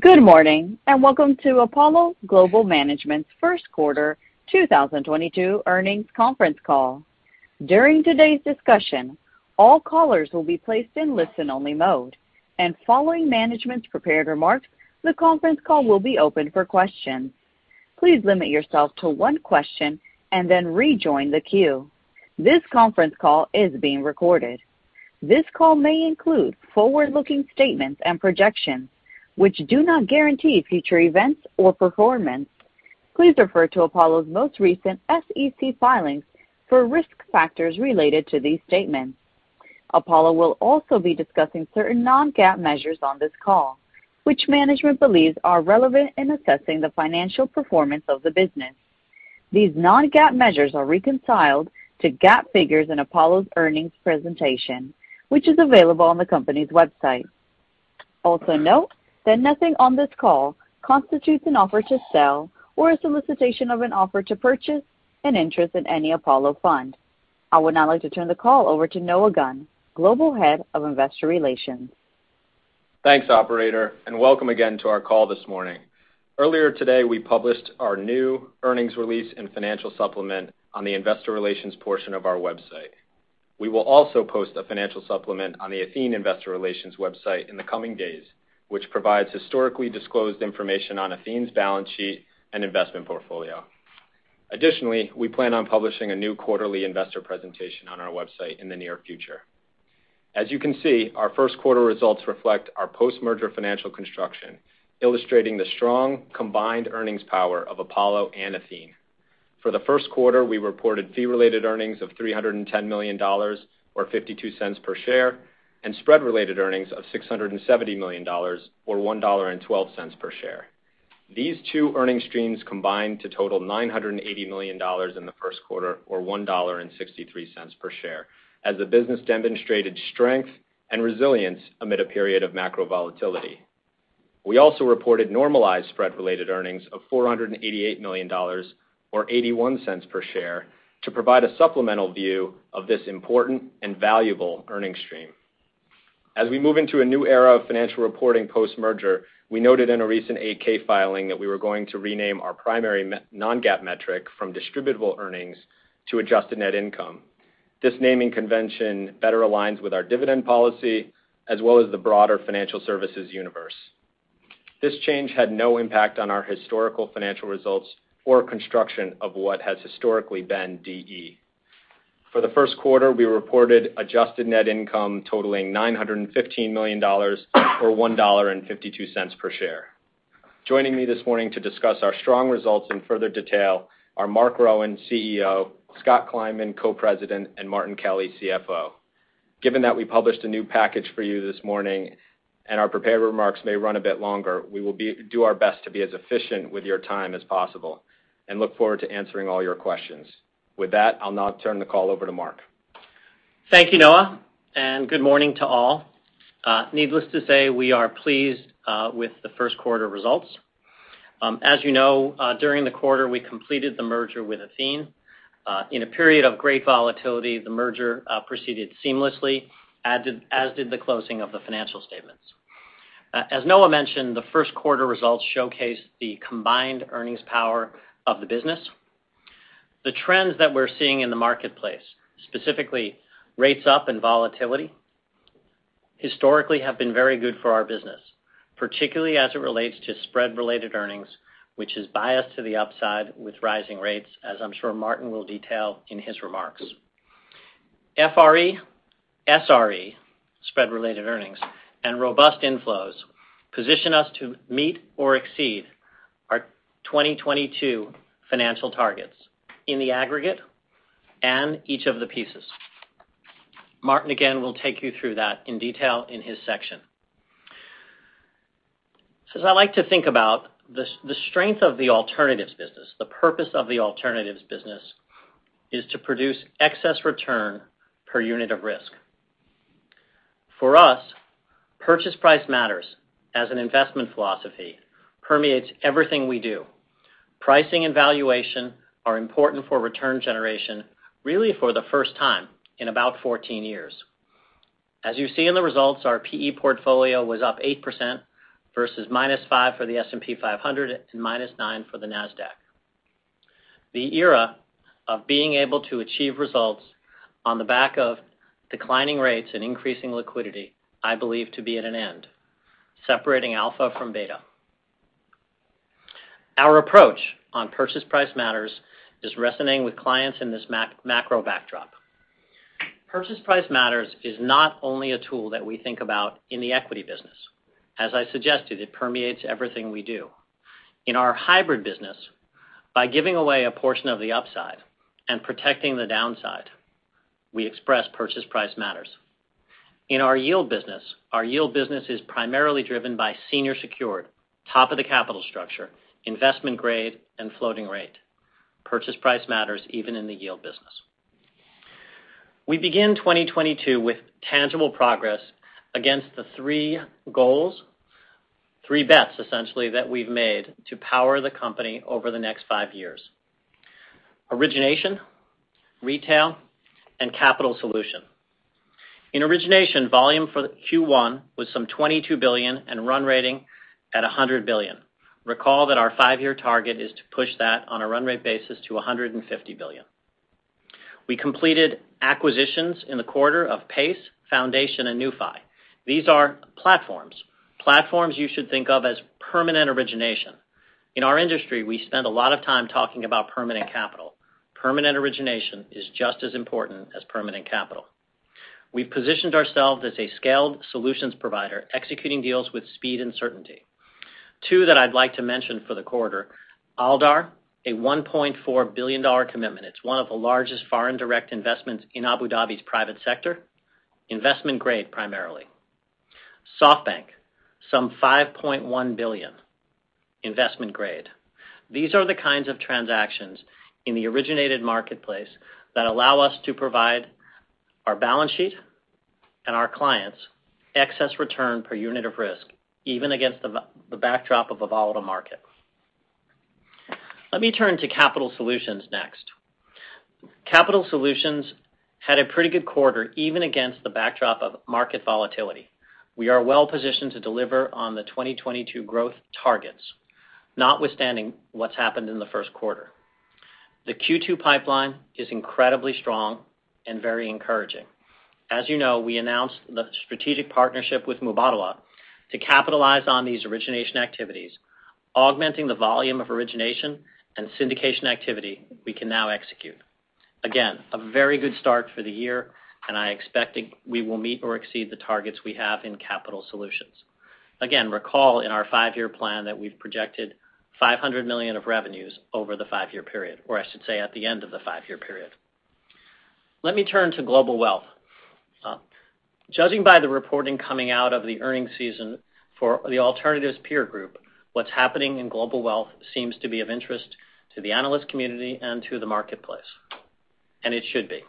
Good morning, and welcome to Apollo Global Management's first quarter 2022 earnings conference call. During today's discussion, all callers will be placed in listen-only mode, and following management's prepared remarks, the conference call will be open for questions. Please limit yourself to one question and then rejoin the queue. This conference call is being recorded. This call may include forward-looking statements and projections, which do not guarantee future events or performance. Please refer to Apollo's most recent SEC filings for risk factors related to these statements. Apollo will also be discussing certain non-GAAP measures on this call, which management believes are relevant in assessing the financial performance of the business. These non-GAAP measures are reconciled to GAAP figures in Apollo's earnings presentation, which is available on the company's website. Also note that nothing on this call constitutes an offer to sell or a solicitation of an offer to purchase an interest in any Apollo fund. I would now like to turn the call over to Noah Gunn, Global Head of Investor Relations. Thanks, operator, and welcome again to our call this morning. Earlier today, we published our new earnings release and financial supplement on the investor relations portion of our website. We will also post a financial supplement on the Athene investor relations website in the coming days, which provides historically disclosed information on Athene's balance sheet and investment portfolio. Additionally, we plan on publishing a new quarterly investor presentation on our website in the near future. As you can see, our first quarter results reflect our post-merger financial construction, illustrating the strong combined earnings power of Apollo and Athene. For the first quarter, we reported fee-related earnings of $310 million or $0.52 per share, and spread related earnings of $670 million or $1.12 per share. These two earnings streams combined to total $980 million in the first quarter or $1.63 per share as the business demonstrated strength and resilience amid a period of macro volatility. We also reported normalized spread-related earnings of $488 million or $0.81 per share to provide a supplemental view of this important and valuable earnings stream. As we move into a new era of financial reporting post-merger, we noted in a recent 8-K filing that we were going to rename our primary non-GAAP metric from Distributable Earnings to Adjusted Net Income. This naming convention better aligns with our dividend policy as well as the broader financial services universe. This change had no impact on our historical financial results or construction of what has historically been DE. For the first quarter, we reported adjusted net income totaling $915 million or $1.52 per share. Joining me this morning to discuss our strong results in further detail are Marc Rowan, CEO, Scott Kleinman, Co-President, and Martin Kelly, CFO. Given that we published a new package for you this morning and our prepared remarks may run a bit longer, we will do our best to be as efficient with your time as possible and look forward to answering all your questions. With that, I'll now turn the call over to Marc. Thank you, Noah, and good morning to all. Needless to say, we are pleased with the first quarter results. As you know, during the quarter, we completed the merger with Athene. In a period of great volatility, the merger proceeded seamlessly as did the closing of the financial statements. As Noah mentioned, the first quarter results showcased the combined earnings power of the business. The trends that we're seeing in the marketplace, specifically rates up and volatility, historically have been very good for our business, particularly as it relates to spread-related earnings, which is biased to the upside with rising rates, as I'm sure Martin will detail in his remarks. FRE, SRE, spread-related earnings, and robust inflows position us to meet or exceed our 2022 financial targets in the aggregate and each of the pieces. Martin, again, will take you through that in detail in his section. Since I like to think about the strength of the alternatives business, the purpose of the alternatives business is to produce excess return per unit of risk. For us, purchase price matters as an investment philosophy permeates everything we do. Pricing and valuation are important for return generation, really for the first time in about 14 years. As you see in the results, our PE portfolio was up 8% versus -5% for the S&P 500 and -9% for the Nasdaq. The era of being able to achieve results on the back of declining rates and increasing liquidity, I believe to be at an end, separating alpha from beta. Our approach on purchase price matters is resonating with clients in this macro backdrop. Purchase price matters is not only a tool that we think about in the equity business. As I suggested, it permeates everything we do. In our hybrid business, by giving away a portion of the upside and protecting the downside, we express purchase price matters. In our yield business, our yield business is primarily driven by senior secured, top of the capital structure, investment grade, and floating rate. Purchase price matters even in the yield business. We begin 2022 with tangible progress against the three goals, three bets, essentially, that we've made to power the company over the next five years. Origination, retail, and capital solution. In origination, volume for Q1 was some $22 billion and run rate at $100 billion. Recall that our five-year target is to push that on a run rate basis to $150 billion. We completed acquisitions in the quarter of Pace, Foundation, and Newfi. These are platforms. Platforms you should think of as permanent origination. In our industry, we spend a lot of time talking about permanent capital. Permanent origination is just as important as permanent capital. We've positioned ourselves as a scaled solutions provider, executing deals with speed and certainty. Two that I'd like to mention for the quarter, Aldar, a $1.4 billion commitment. It's one of the largest foreign direct investments in Abu Dhabi's private sector, investment grade, primarily. SoftBank, some $5.1 billion, investment grade. These are the kinds of transactions in the originated marketplace that allow us to provide our balance sheet and our clients' excess return per unit of risk, even against the backdrop of a volatile market. Let me turn to capital solutions next. Capital Solutions had a pretty good quarter, even against the backdrop of market volatility. We are well-positioned to deliver on the 2022 growth targets, notwithstanding what's happened in the first quarter. The Q2 pipeline is incredibly strong and very encouraging. As you know, we announced the strategic partnership with Mubadala to capitalize on these origination activities, augmenting the volume of origination and syndication activity we can now execute. Again, a very good start for the year, and I expect we will meet or exceed the targets we have in Capital Solutions. Again, recall in our five-year plan that we've projected $500 million of revenues over the five-year period, or I should say, at the end of the five-year period. Let me turn to global wealth. Judging by the reporting coming out of the earnings season for the alternatives peer group, what's happening in global wealth seems to be of interest to the analyst community and to the marketplace, and it should be.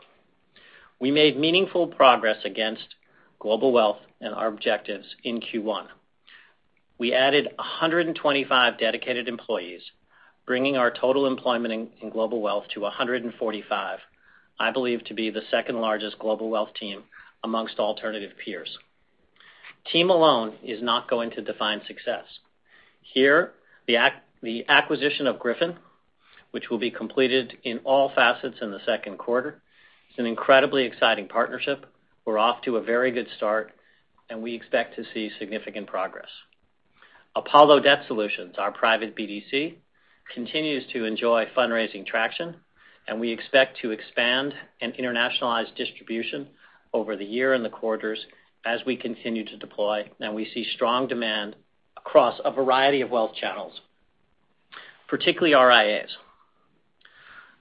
We made meaningful progress against global wealth and our objectives in Q1. We added 125 dedicated employees, bringing our total employment in global wealth to 145, I believe to be the second-largest global wealth team amongst alternative peers. Team alone is not going to define success. Here, the acquisition of Griffin Capital, which will be completed in all facets in the second quarter, is an incredibly exciting partnership. We're off to a very good start, and we expect to see significant progress. Apollo Debt Solutions BDC, our private BDC, continues to enjoy fundraising traction, and we expect to expand and internationalize distribution over the year and the quarters as we continue to deploy. Now we see strong demand across a variety of wealth channels, particularly RIAs.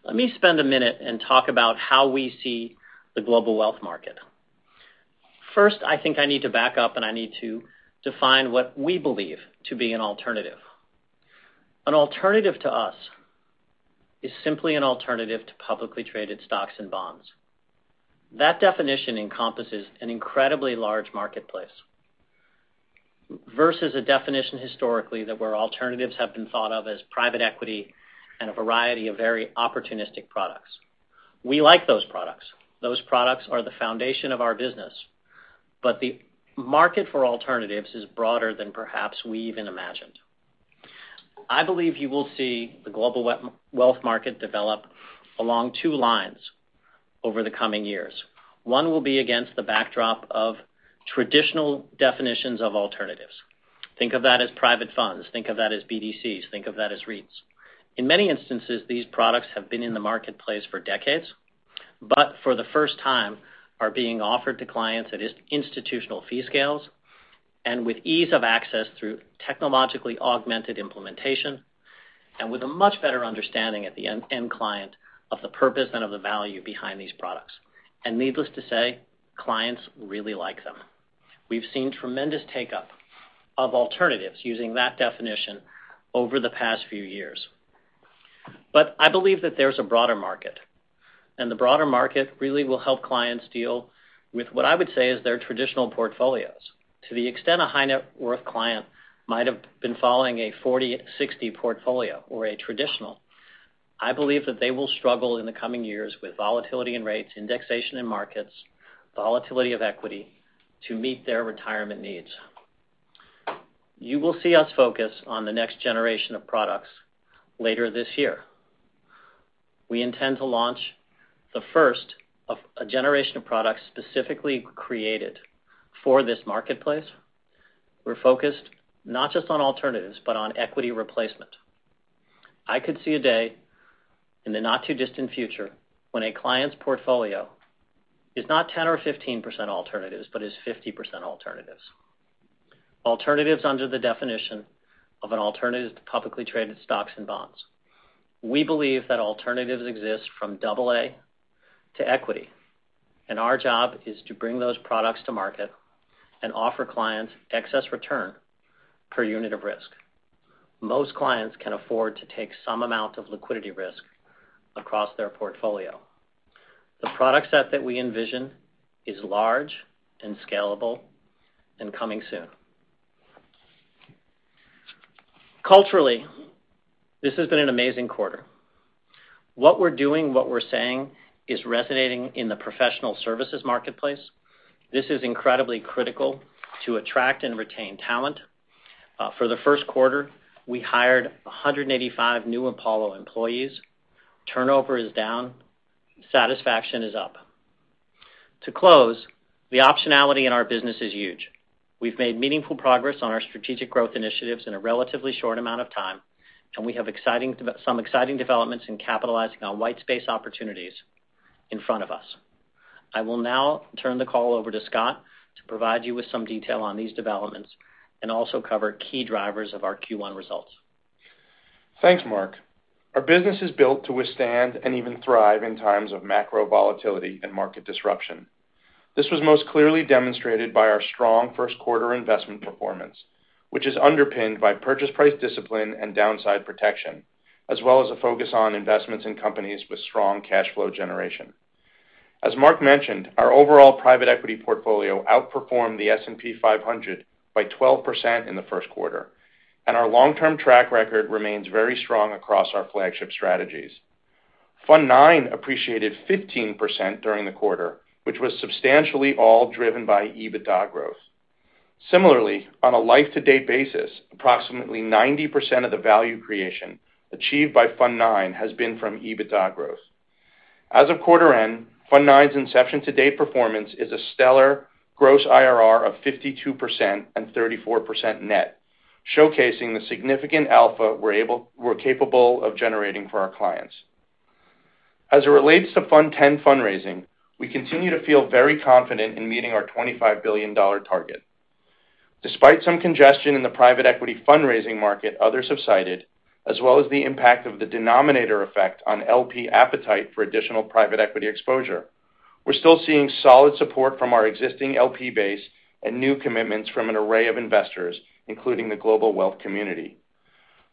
Let me spend a minute and talk about how we see the global wealth market. First, I think I need to back up, and I need to define what we believe to be an alternative. An alternative to us is simply an alternative to publicly traded stocks and bonds. That definition encompasses an incredibly large marketplace versus a definition historically that, where alternatives have been thought of as private equity and a variety of very opportunistic products. We like those products. Those products are the foundation of our business, but the market for alternatives is broader than perhaps we even imagined. I believe you will see the global wealth market develop along two lines over the coming years. One will be against the backdrop of traditional definitions of alternatives. Think of that as private funds. Think of that as BDCs. Think of that as REITs. In many instances, these products have been in the marketplace for decades, but for the first time are being offered to clients at institutional fee scales and with ease of access through technologically augmented implementation and with a much better understanding at the end client of the purpose and of the value behind these products. Needless to say, clients really like them. We've seen tremendous take-up of alternatives using that definition over the past few years. I believe that there's a broader market, and the broader market really will help clients deal with what I would say is their traditional portfolios. To the extent a high net worth client might have been following a 40-60 portfolio or a traditional, I believe that they will struggle in the coming years with volatility in rates, indexation in markets, volatility of equity to meet their retirement needs. You will see us focus on the next generation of products later this year. We intend to launch the first of a generation of products specifically created for this marketplace. We're focused not just on alternatives, but on equity replacement. I could see a day in the not-too-distant future when a client's portfolio is not 10% or 15% alternatives, but is 50% alternatives. Alternatives under the definition of an alternative to publicly traded stocks and bonds. We believe that alternatives exist from double-A to equity, and our job is to bring those products to market and offer clients excess return per unit of risk. Most clients can afford to take some amount of liquidity risk across their portfolio. The product set that we envision is large and scalable and coming soon. Culturally, this has been an amazing quarter. What we're doing, what we're saying is resonating in the professional services marketplace. This is incredibly critical to attract and retain talent. For the first quarter, we hired 185 new Apollo employees. Turnover is down. Satisfaction is up. To close, the optionality in our business is huge. We've made meaningful progress on our strategic growth initiatives in a relatively short amount of time, and we have some exciting developments in capitalizing on whitespace opportunities in front of us. I will now turn the call over to Scott to provide you with some detail on these developments and also cover key drivers of our Q1 results. Thanks, Marc. Our business is built to withstand and even thrive in times of macro volatility and market disruption. This was most clearly demonstrated by our strong first quarter investment performance, which is underpinned by purchase price discipline and downside protection, as well as a focus on investments in companies with strong cash flow generation. As Marc mentioned, our overall private equity portfolio outperformed the S&P 500 by 12% in the first quarter, and our long-term track record remains very strong across our flagship strategies. Fund IX appreciated 15% during the quarter, which was substantially all driven by EBITDA growth. Similarly, on a life-to-date basis, approximately 90% of the value creation achieved by Fund IX has been from EBITDA growth. As of quarter end, Fund IX's inception-to-date performance is a stellar gross IRR of 52% and 34% net, showcasing the significant alpha we're capable of generating for our clients. As it relates to Fund X fundraising, we continue to feel very confident in meeting our $25 billion target. Despite some congestion in the private equity fundraising market others have cited, as well as the impact of the denominator effect on LP appetite for additional private equity exposure, we're still seeing solid support from our existing LP base and new commitments from an array of investors, including the global wealth community.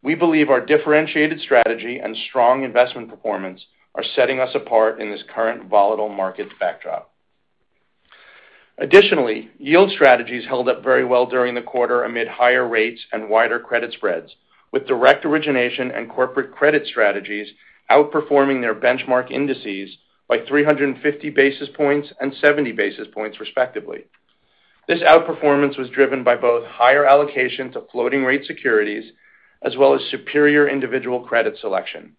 We believe our differentiated strategy and strong investment performance are setting us apart in this current volatile market backdrop. Additionally, yield strategies held up very well during the quarter amid higher rates and wider credit spreads, with direct origination and corporate credit strategies outperforming their benchmark indices by 350 basis points and 70 basis points, respectively. This outperformance was driven by both higher allocation to floating rate securities as well as superior individual credit selection.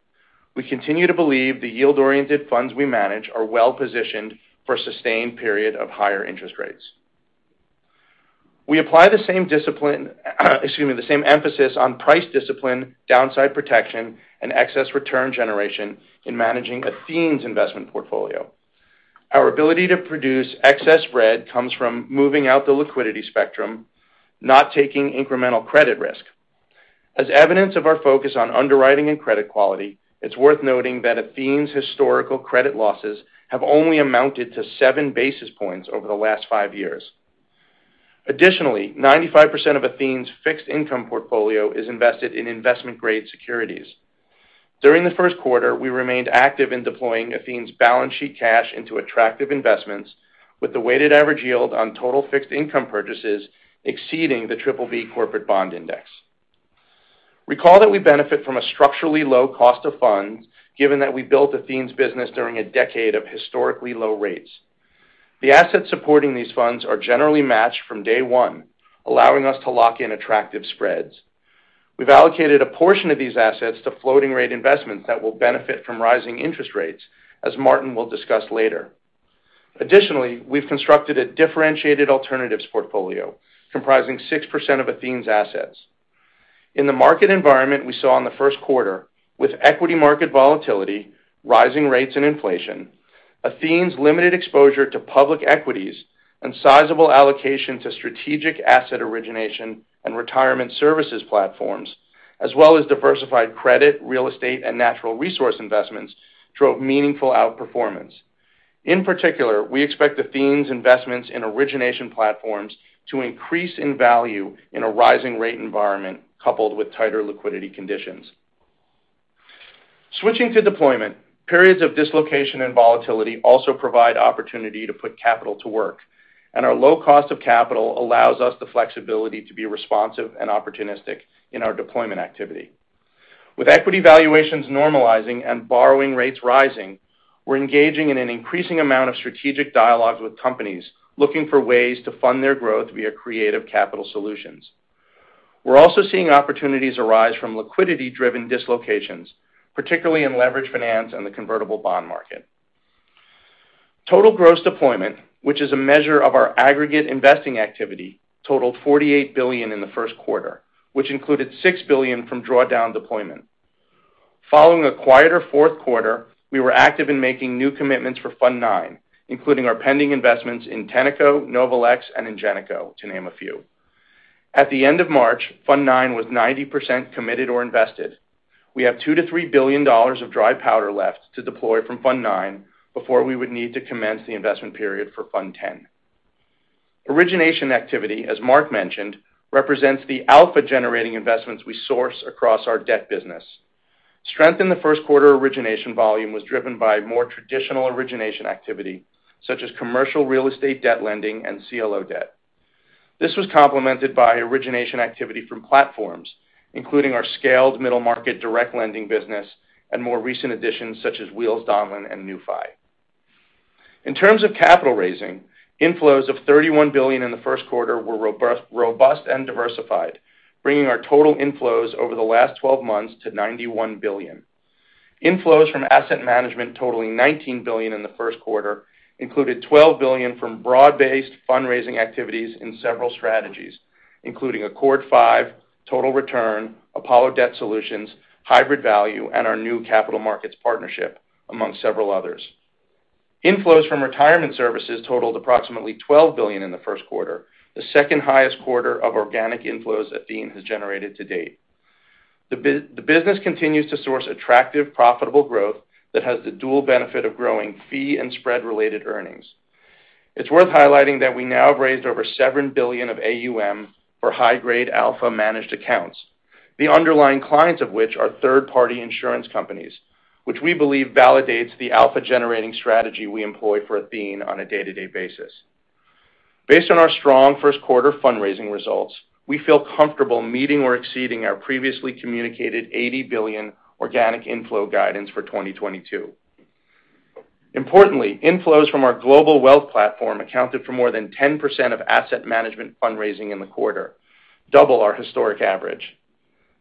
We continue to believe the yield-oriented funds we manage are well-positioned for a sustained period of higher interest rates. We apply the same emphasis on price discipline, downside protection, and excess return generation in managing Athene's investment portfolio. Our ability to produce excess spread comes from moving out the liquidity spectrum, not taking incremental credit risk. As evidence of our focus on underwriting and credit quality, it's worth noting that Athene's historical credit losses have only amounted to seven basis points over the last five years. 95% of Athene's fixed income portfolio is invested in investment-grade securities. During the first quarter, we remained active in deploying Athene's balance sheet cash into attractive investments, with the weighted average yield on total fixed income purchases exceeding the BBB corporate bond index. Recall that we benefit from a structurally low cost of funds, given that we built Athene's business during a decade of historically low rates. The assets supporting these funds are generally matched from day one, allowing us to lock in attractive spreads. We've allocated a portion of these assets to floating rate investments that will benefit from rising interest rates, as Martin will discuss later. Additionally, we've constructed a differentiated alternatives portfolio comprising 6% of Athene's assets. In the market environment we saw in the first quarter, with equity market volatility, rising rates and inflation, Athene's limited exposure to public equities and sizable allocation to strategic asset origination and retirement services platforms, as well as diversified credit, real estate, and natural resource investments, drove meaningful outperformance. In particular, we expect Athene's investments in origination platforms to increase in value in a rising rate environment coupled with tighter liquidity conditions. Switching to deployment, periods of dislocation and volatility also provide opportunity to put capital to work, and our low cost of capital allows us the flexibility to be responsive and opportunistic in our deployment activity. With equity valuations normalizing and borrowing rates rising, we're engaging in an increasing amount of strategic dialogues with companies looking for ways to fund their growth via creative capital solutions. We're also seeing opportunities arise from liquidity-driven dislocations, particularly in leveraged finance and the convertible bond market. Total gross deployment, which is a measure of our aggregate investing activity, totaled $48 billion in the first quarter, which included $6 billion from drawdown deployment. Following a quieter fourth quarter, we were active in making new commitments for Fund IX, including our pending investments in Tenneco, Novolex, and Ingenico, to name a few. At the end of March, Fund IX was 90% committed or invested. We have $2 billion-$3 billion of dry powder left to deploy from Fund IX before we would need to commence the investment period for Fund X. Origination activity, as Marc mentioned, represents the alpha-generating investments we source across our debt business. Strength in the first quarter origination volume was driven by more traditional origination activity, such as commercial real estate debt lending and CLO debt. This was complemented by origination activity from platforms, including our scaled middle market direct lending business and more recent additions such as Wheels Donlen and Newfi. In terms of capital raising, inflows of $31 billion in the first quarter were robust and diversified, bringing our total inflows over the last twelve months to $91 billion. Inflows from asset management totaling $19 billion in the first quarter included $12 billion from broad-based fundraising activities in several strategies, including Accord five, Total Return, Apollo Debt Solutions, Hybrid Value, and our new capital markets partnership, among several others. Inflows from retirement services totaled approximately $12 billion in the first quarter, the second highest quarter of organic inflows Athene has generated to date. The business continues to source attractive, profitable growth that has the dual benefit of growing fee and spread-related earnings. It's worth highlighting that we now have raised over $7 billion of AUM for high grade alpha managed accounts, the underlying clients of which are third-party insurance companies, which we believe validates the alpha-generating strategy we employ for Athene on a day-to-day basis. Based on our strong first quarter fundraising results, we feel comfortable meeting or exceeding our previously communicated $80 billion organic inflow guidance for 2022. Importantly, inflows from our global wealth platform accounted for more than 10% of asset management fundraising in the quarter, double our historic average.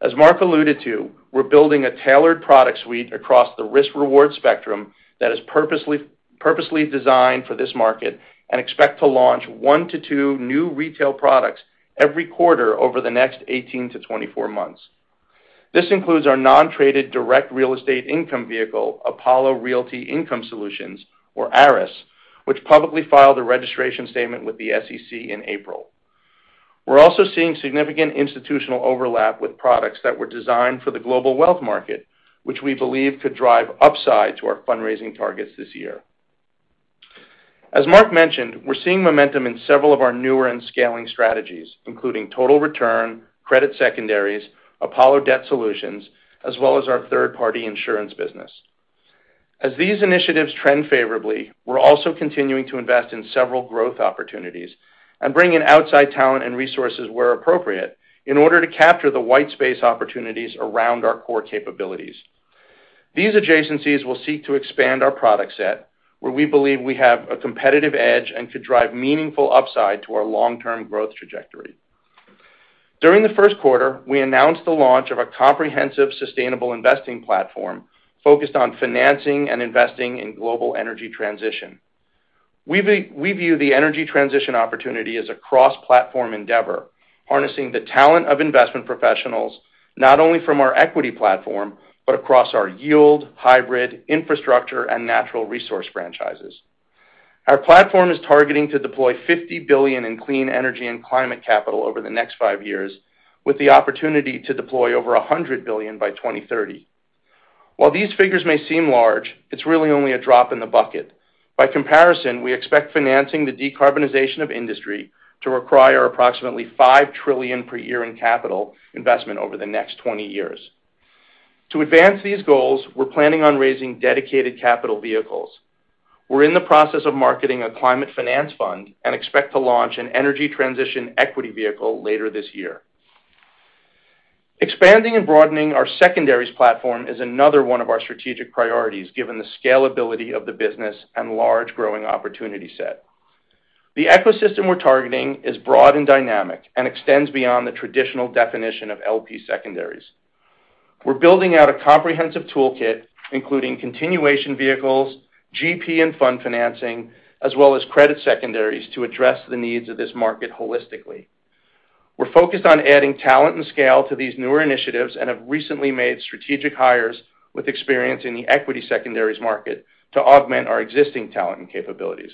As Marc alluded to, we're building a tailored product suite across the risk-reward spectrum that is purposely designed for this market and expect to launch one to two new retail products every quarter over the next 18 to 24 months. This includes our non-traded direct real estate income vehicle, Apollo Realty Income Solutions, or ARIS, which publicly filed a registration statement with the SEC in April. We're also seeing significant institutional overlap with products that were designed for the global wealth market, which we believe could drive upside to our fundraising targets this year. As Marc mentioned, we're seeing momentum in several of our newer and scaling strategies, including Total Return, credit secondaries, Apollo Debt Solutions, as well as our third-party insurance business. As these initiatives trend favorably, we're also continuing to invest in several growth opportunities and bring in outside talent and resources where appropriate in order to capture the white space opportunities around our core capabilities. These adjacencies will seek to expand our product set where we believe we have a competitive edge and could drive meaningful upside to our long-term growth trajectory. During the first quarter, we announced the launch of a comprehensive sustainable investing platform focused on financing and investing in global energy transition. We view the energy transition opportunity as a cross-platform endeavor, harnessing the talent of investment professionals not only from our equity platform, but across our yield, hybrid, infrastructure, and natural resource franchises. Our platform is targeting to deploy $50 billion in clean energy and climate capital over the next five years, with the opportunity to deploy over $100 billion by 2030. While these figures may seem large, it's really only a drop in the bucket. By comparison, we expect financing the decarbonization of industry to require approximately $5 trillion per year in capital investment over the next 20 years. To advance these goals, we're planning on raising dedicated capital vehicles. We're in the process of marketing a climate finance fund and expect to launch an energy transition equity vehicle later this year. Expanding and broadening our secondaries platform is another one of our strategic priorities, given the scalability of the business and large growing opportunity set. The ecosystem we're targeting is broad and dynamic and extends beyond the traditional definition of LP secondaries. We're building out a comprehensive toolkit, including continuation vehicles, GP and fund financing, as well as credit secondaries to address the needs of this market holistically. We're focused on adding talent and scale to these newer initiatives and have recently made strategic hires with experience in the equity secondaries market to augment our existing talent and capabilities.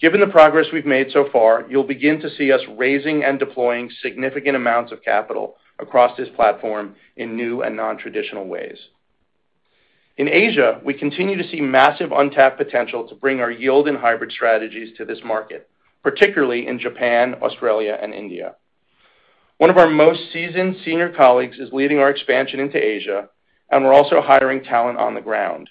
Given the progress we've made so far, you'll begin to see us raising and deploying significant amounts of capital across this platform in new and non-traditional ways. In Asia, we continue to see massive untapped potential to bring our yield and hybrid strategies to this market, particularly in Japan, Australia, and India. One of our most seasoned senior colleagues is leading our expansion into Asia, and we're also hiring talent on the ground.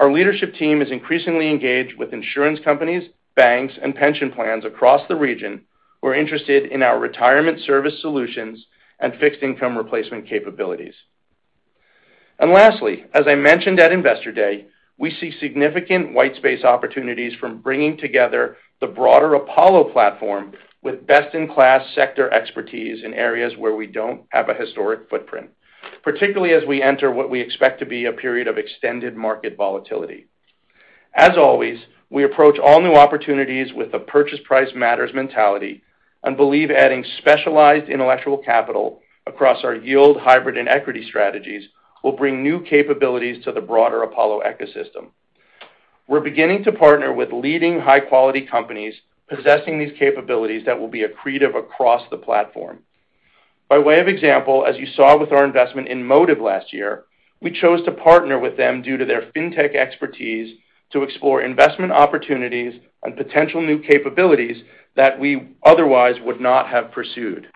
Our leadership team is increasingly engaged with insurance companies, banks, and pension plans across the region who are interested in our retirement service solutions and fixed income replacement capabilities. Lastly, as I mentioned at Investor Day, we see significant white space opportunities from bringing together the broader Apollo platform with best-in-class sector expertise in areas where we don't have a historic footprint, particularly as we enter what we expect to be a period of extended market volatility. As always, we approach all new opportunities with a purchase price matters mentality and believe adding specialized intellectual capital across our yield, hybrid, and equity strategies will bring new capabilities to the broader Apollo ecosystem. We're beginning to partner with leading high-quality companies possessing these capabilities that will be accretive across the platform. By way of example, as you saw with our investment in Motive last year, we chose to partner with them due to their fintech expertise to explore investment opportunities and potential new capabilities that we otherwise would not have pursued.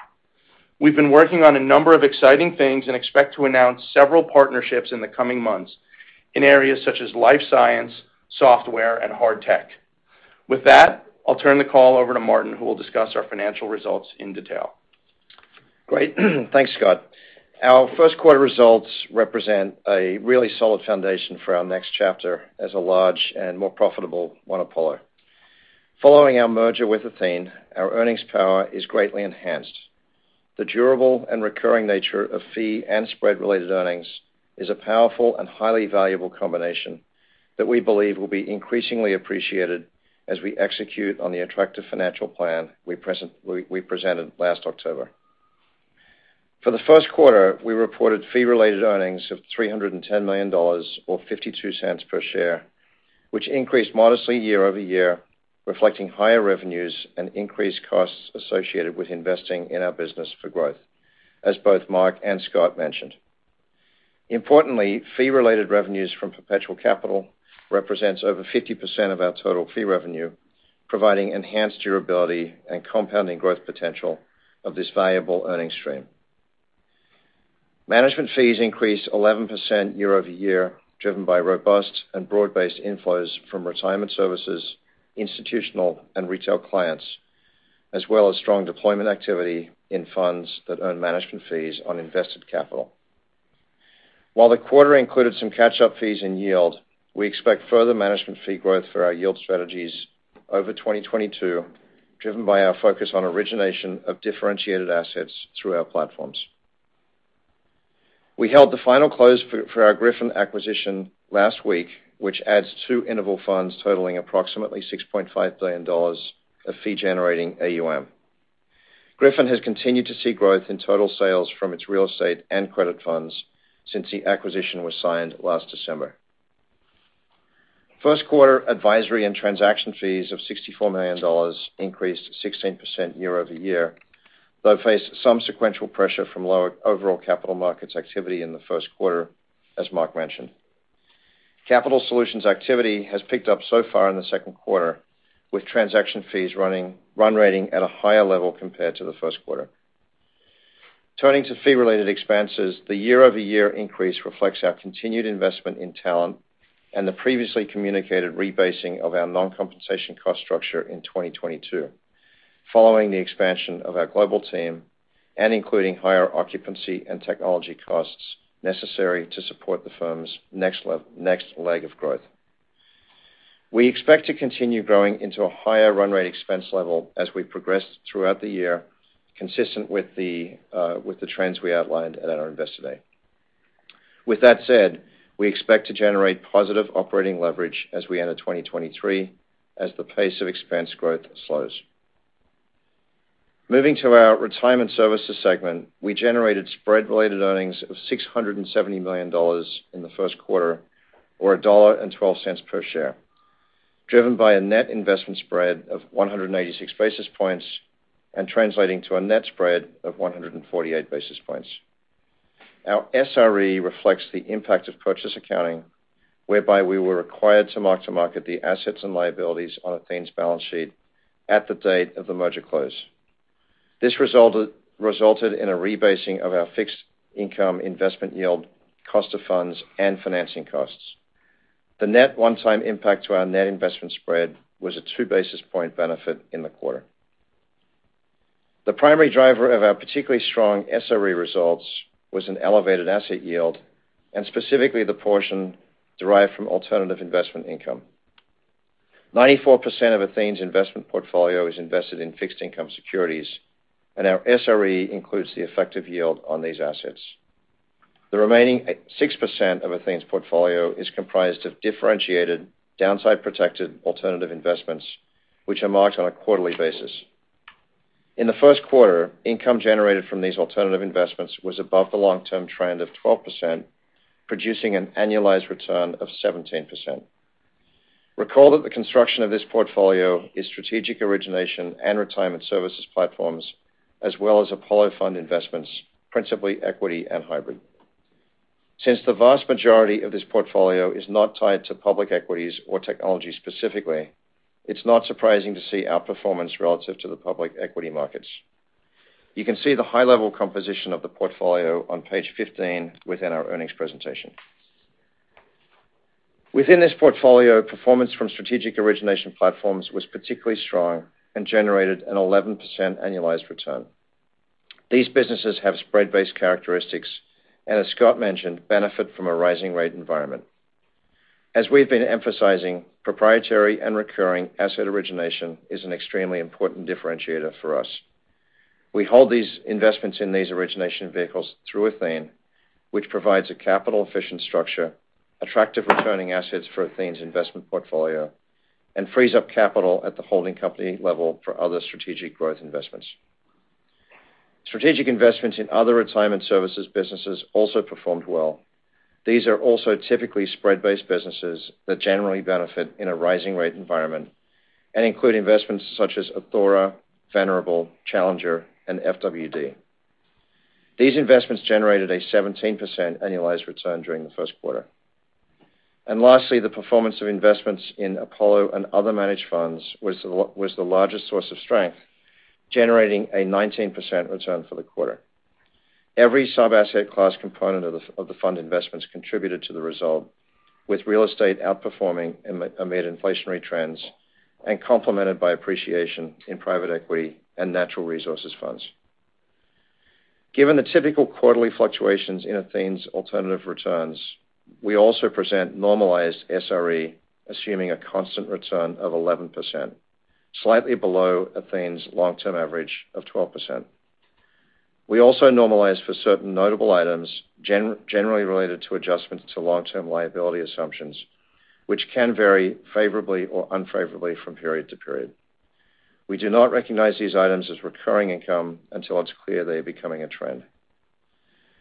We've been working on a number of exciting things and expect to announce several partnerships in the coming months in areas such as life science, software, and hard tech. With that, I'll turn the call over to Martin, who will discuss our financial results in detail. Great. Thanks, Scott. Our first quarter results represent a really solid foundation for our next chapter as a large and more profitable Apollo. Following our merger with Athene, our earnings power is greatly enhanced. The durable and recurring nature of fee and spread-related earnings is a powerful and highly valuable combination that we believe will be increasingly appreciated as we execute on the attractive financial plan we presented last October. For the first quarter, we reported fee-related earnings of $310 million or 52 cents per share, which increased modestly year-over-year, reflecting higher revenues and increased costs associated with investing in our business for growth, as both Marc and Scott mentioned. Importantly, fee-related revenues from perpetual capital represents over 50% of our total fee revenue, providing enhanced durability and compounding growth potential of this valuable earning stream. Management fees increased 11% year over year, driven by robust and broad-based inflows from retirement services, institutional and retail clients, as well as strong deployment activity in funds that earn management fees on invested capital. While the quarter included some catch-up fees in yield, we expect further management fee growth for our yield strategies over 2022, driven by our focus on origination of differentiated assets through our platforms. We held the final close for our Griffin acquisition last week, which adds two interval funds totaling approximately $6.5 billion of fee-generating AUM. Griffin has continued to see growth in total sales from its real estate and credit funds since the acquisition was signed last December. First quarter advisory and transaction fees of $64 million increased 16% year-over-year, though faced some sequential pressure from lower overall capital markets activity in the first quarter, as Mark mentioned. Capital Solutions activity has picked up so far in the second quarter, with transaction fees run-rate at a higher level compared to the first quarter. Turning to fee-related expenses, the year-over-year increase reflects our continued investment in talent and the previously communicated rebasing of our non-compensation cost structure in 2022, following the expansion of our global team and including higher occupancy and technology costs necessary to support the firm's next leg of growth. We expect to continue growing into a higher run-rate expense level as we progress throughout the year, consistent with the trends we outlined at our Investor Day. With that said, we expect to generate positive operating leverage as we enter 2023, as the pace of expense growth slows. Moving to our retirement services segment, we generated spread-related earnings of $670 million in the first quarter or $1.12 per share, driven by a net investment spread of 186 basis points and translating to a net spread of 148 basis points. Our SRE reflects the impact of purchase accounting, whereby we were required to mark to market the assets and liabilities on Athene's balance sheet at the date of the merger close. This resulted in a rebasing of our fixed income investment yield, cost of funds, and financing costs. The net one-time impact to our net investment spread was a 2-basis-point benefit in the quarter. The primary driver of our particularly strong SRE results was an elevated asset yield, and specifically the portion derived from alternative investment income. 94% of Athene's investment portfolio is invested in fixed income securities, and our SRE includes the effective yield on these assets. The remaining six percent of Athene's portfolio is comprised of differentiated downside-protected alternative investments, which are marked on a quarterly basis. In the first quarter, income generated from these alternative investments was above the long-term trend of 12%, producing an annualized return of 17%. Recall that the construction of this portfolio is strategic origination and retirement services platforms, as well as Apollo fund investments, principally equity and hybrid. Since the vast majority of this portfolio is not tied to public equities or technology specifically, it's not surprising to see our performance relative to the public equity markets. You can see the high-level composition of the portfolio on page 15 within our earnings presentation. Within this portfolio, performance from strategic origination platforms was particularly strong and generated an 11% annualized return. These businesses have spread-based characteristics and, as Scott mentioned, benefit from a rising rate environment. As we've been emphasizing, proprietary and recurring asset origination is an extremely important differentiator for us. We hold these investments in these origination vehicles through Athene, which provides a capital-efficient structure, attractive returning assets for Athene's investment portfolio, and frees up capital at the holding company level for other strategic growth investments. Strategic investments in other retirement services businesses also performed well. These are also typically spread-based businesses that generally benefit in a rising rate environment and include investments such as Athora, Venerable, Challenger, and FWD. These investments generated a 17% annualized return during the first quarter. Lastly, the performance of investments in Apollo and other managed funds was the largest source of strength, generating a 19% return for the quarter. Every sub-asset class component of the fund investments contributed to the result with real estate outperforming amid inflationary trends and complemented by appreciation in private equity and natural resources funds. Given the typical quarterly fluctuations in Athene's alternative returns, we also present normalized SRE assuming a constant return of 11%, slightly below Athene's long-term average of 12%. We also normalize for certain notable items generally related to adjustments to long-term liability assumptions, which can vary favorably or unfavorably from period to period. We do not recognize these items as recurring income until it's clear they are becoming a trend.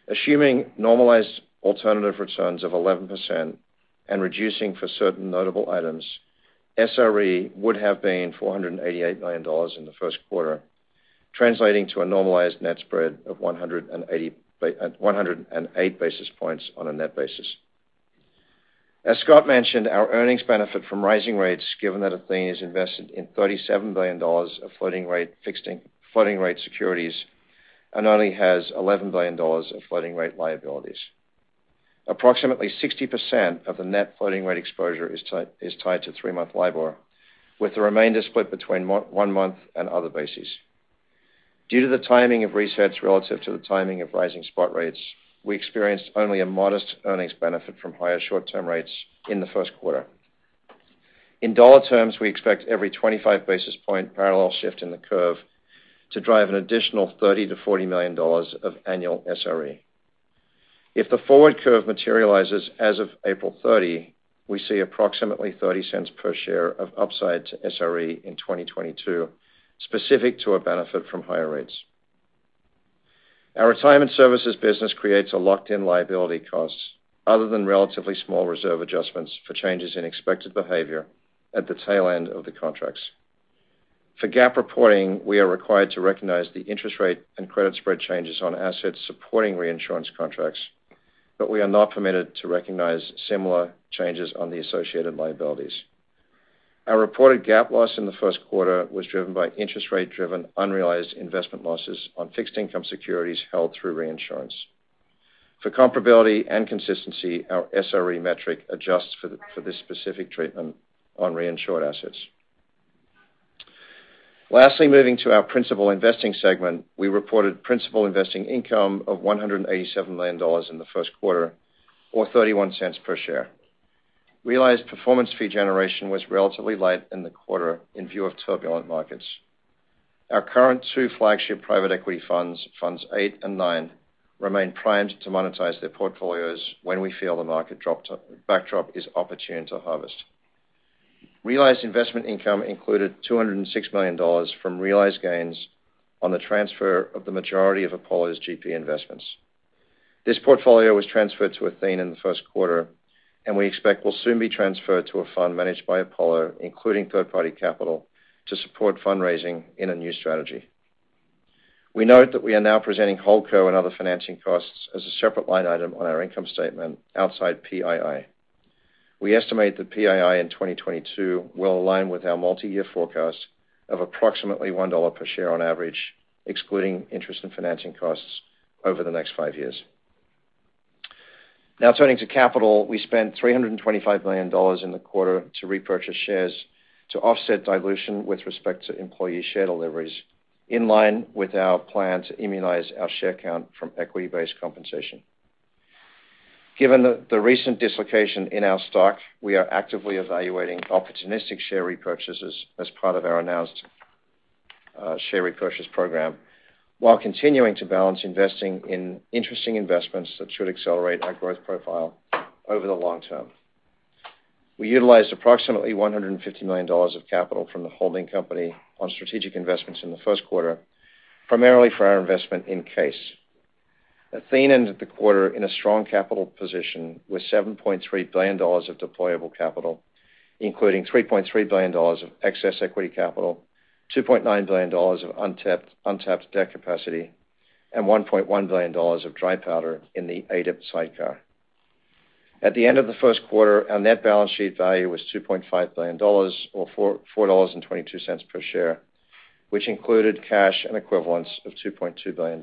Assuming normalized alternative returns of 11% and reducing for certain notable items, SRE would have been $488 million in the first quarter, translating to a normalized net spread of 108 basis points on a net basis. As Scott mentioned, our earnings benefit from rising rates given that Athene is invested in $37 billion of floating rate securities and only has $11 billion of floating rate liabilities. Approximately 60% of the net floating rate exposure is tied to three-month LIBOR, with the remainder split between one month and other bases. Due to the timing of resets relative to the timing of rising spot rates, we experienced only a modest earnings benefit from higher short-term rates in the first quarter. In dollar terms, we expect every 25 basis point parallel shift in the curve to drive an additional $30 million-$40 million of annual SRE. If the forward curve materializes as of April 30, we see approximately $0.30 per share of upside to SRE in 2022 specific to a benefit from higher rates. Our retirement services business creates a locked-in liability cost other than relatively small reserve adjustments for changes in expected behavior at the tail end of the contracts. For GAAP reporting, we are required to recognize the interest rate and credit spread changes on assets supporting reinsurance contracts, but we are not permitted to recognize similar changes on the associated liabilities. Our reported GAAP loss in the first quarter was driven by interest rate-driven unrealized investment losses on fixed income securities held through reinsurance. For comparability and consistency, our SRE metric adjusts for this specific treatment on reinsured assets. Lastly, moving to our principal investing segment, we reported principal investing income of $187 million in the first quarter, or $0.31 per share. Realized performance fee generation was relatively light in the quarter in view of turbulent markets. Our current two flagship private equity funds, Funds VIII and IX, remain primed to monetize their portfolios when we feel the market backdrop is opportune to harvest. Realized investment income included $206 million from realized gains on the transfer of the majority of Apollo's GP investments. This portfolio was transferred to Athene in the first quarter, and we expect will soon be transferred to a fund managed by Apollo, including third-party capital, to support fundraising in a new strategy. We note that we are now presenting holdco and other financing costs as a separate line item on our income statement outside PII. We estimate that PII in 2022 will align with our multi-year forecast of approximately $1 per share on average, excluding interest and financing costs over the next five years. Now turning to capital, we spent $325 million in the quarter to repurchase shares to offset dilution with respect to employee share deliveries in line with our plan to immunize our share count from equity-based compensation. Given the recent dislocation in our stock, we are actively evaluating opportunistic share repurchases as part of our announced share repurchase program while continuing to balance investing in interesting investments that should accelerate our growth profile over the long term. We utilized approximately $150 million of capital from the holding company on strategic investments in the first quarter, primarily for our investment in CAIS. Athene ended the quarter in a strong capital position with $7.3 billion of deployable capital, including $3.3 billion of excess equity capital, $2.9 billion of untapped debt capacity, and $1.1 billion of dry powder in the ADEP sidecar. At the end of the first quarter, our net balance sheet value was $2.5 billion or $4.42 per share, which included cash and equivalents of $2.2 billion.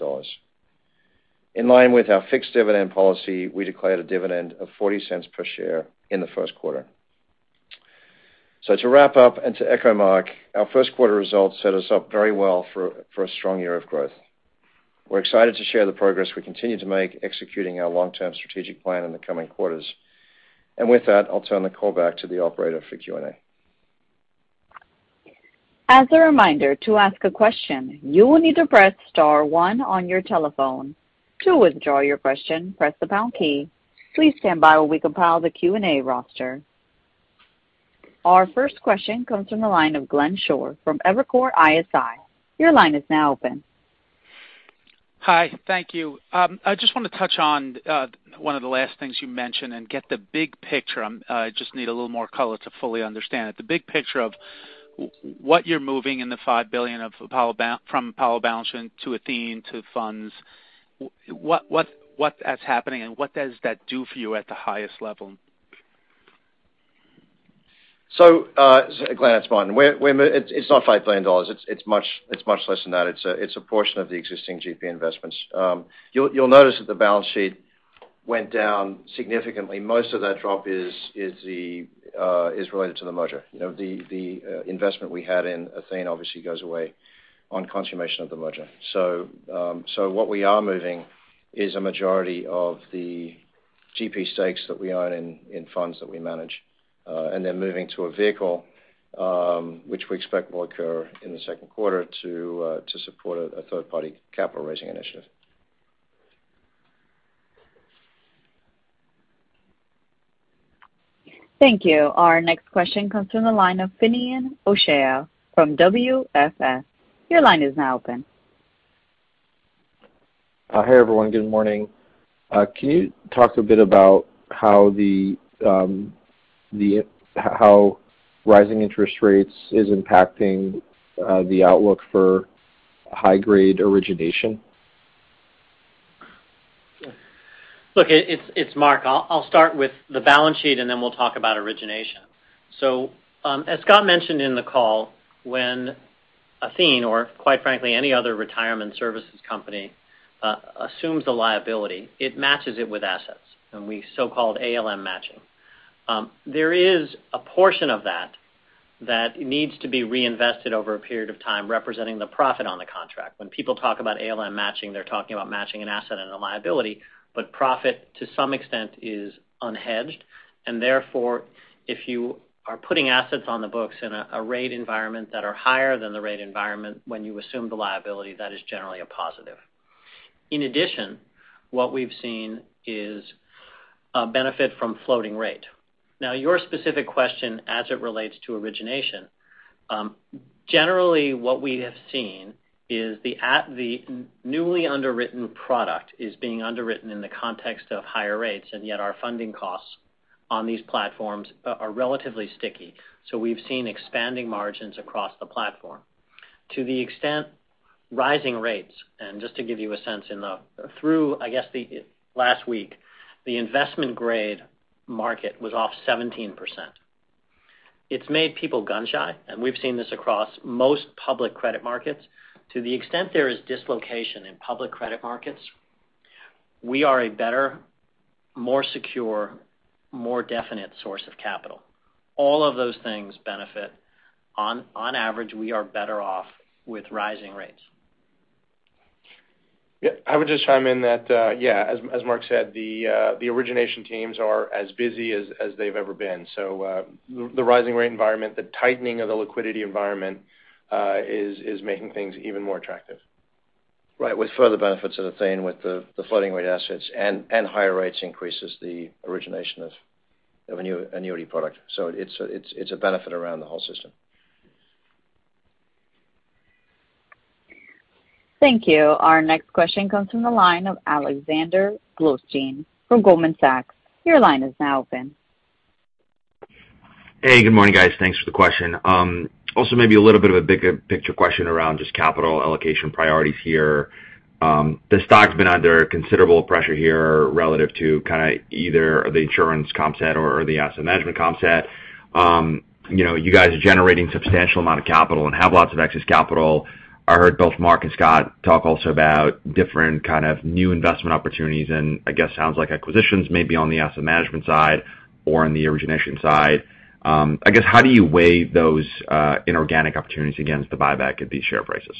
In line with our fixed dividend policy, we declared a dividend of $0.40 per share in the first quarter. To wrap up and to echo Marc, our first quarter results set us up very well for a strong year of growth. We're excited to share the progress we continue to make executing our long-term strategic plan in the coming quarters. With that, I'll turn the call back to the operator for Q&A. As a reminder, to ask a question, you will need to press star one on your telephone. To withdraw your question, press the pound key. Please stand by while we compile the Q&A roster. Our first question comes from the line of Glenn Schorr from Evercore ISI. Your line is now open. Hi. Thank you. I just want to touch on, one of the last things you mentioned and get the big picture. I just need a little more color to fully understand it. The big picture of What you're moving the $5 billion from power balancing to Athene to funds, that's happening, and what does that do for you at the highest level? Glenn, it's Martin. It's not $5 billion. It's much less than that. It's a portion of the existing GP investments. You'll notice that the balance sheet went down significantly. Most of that drop is related to the merger. You know, the investment we had in Athene obviously goes away on consummation of the merger. What we are moving is a majority of the GP stakes that we own in funds that we manage, and they're moving to a vehicle, which we expect will occur in the second quarter to support a third-party capital raising initiative. Thank you. Our next question comes from the line of Finian O'Shea from WFS. Your line is now open. Hey everyone. Good morning. Can you talk a bit about how rising interest rates is impacting the outlook for high grade origination? It's Marc. I'll start with the balance sheet, and then we'll talk about origination. As Scott mentioned in the call, when Athene, or quite frankly any other retirement services company, assumes a liability, it matches it with assets, and we so-called ALM matching. There is a portion of that that needs to be reinvested over a period of time representing the profit on the contract. When people talk about ALM matching, they're talking about matching an asset and a liability, but profit to some extent is unhedged. Therefore, if you are putting assets on the books in a rate environment that are higher than the rate environment when you assume the liability, that is generally a positive. In addition, what we've seen is a benefit from floating rate. Now, your specific question as it relates to origination, generally what we have seen is the newly underwritten product is being underwritten in the context of higher rates, and yet our funding costs on these platforms are relatively sticky. We've seen expanding margins across the platform. To the extent rising rates, and just to give you a sense in the, through, I guess, the last week, the investment-grade market was off 17%. It's made people gun-shy, and we've seen this across most public credit markets. To the extent there is dislocation in public credit markets, we are a better, more secure, more definite source of capital. All of those things benefit. On average, we are better off with rising rates. Yeah. I would just chime in that, yeah, as Marc said, the origination teams are as busy as they've ever been. The rising rate environment, the tightening of the liquidity environment, is making things even more attractive. Right. With further benefits to Athene with the floating rate assets and higher rates increases the origination of a new annuity product. It's a benefit around the whole system. Thank you. Our next question comes from the line of Alexander Blostein from Goldman Sachs. Your line is now open. Hey, good morning, guys. Thanks for the question. Also maybe a little bit of a bigger picture question around just capital allocation priorities here. The stock's been under considerable pressure here relative to kinda either the insurance comp set or the asset management comp set. You know, you guys are generating substantial amount of capital and have lots of excess capital. I heard both Marc and Scott talk also about different kind of new investment opportunities, and I guess sounds like acquisitions may be on the asset management side or on the origination side. I guess, how do you weigh those, inorganic opportunities against the buyback at these share prices?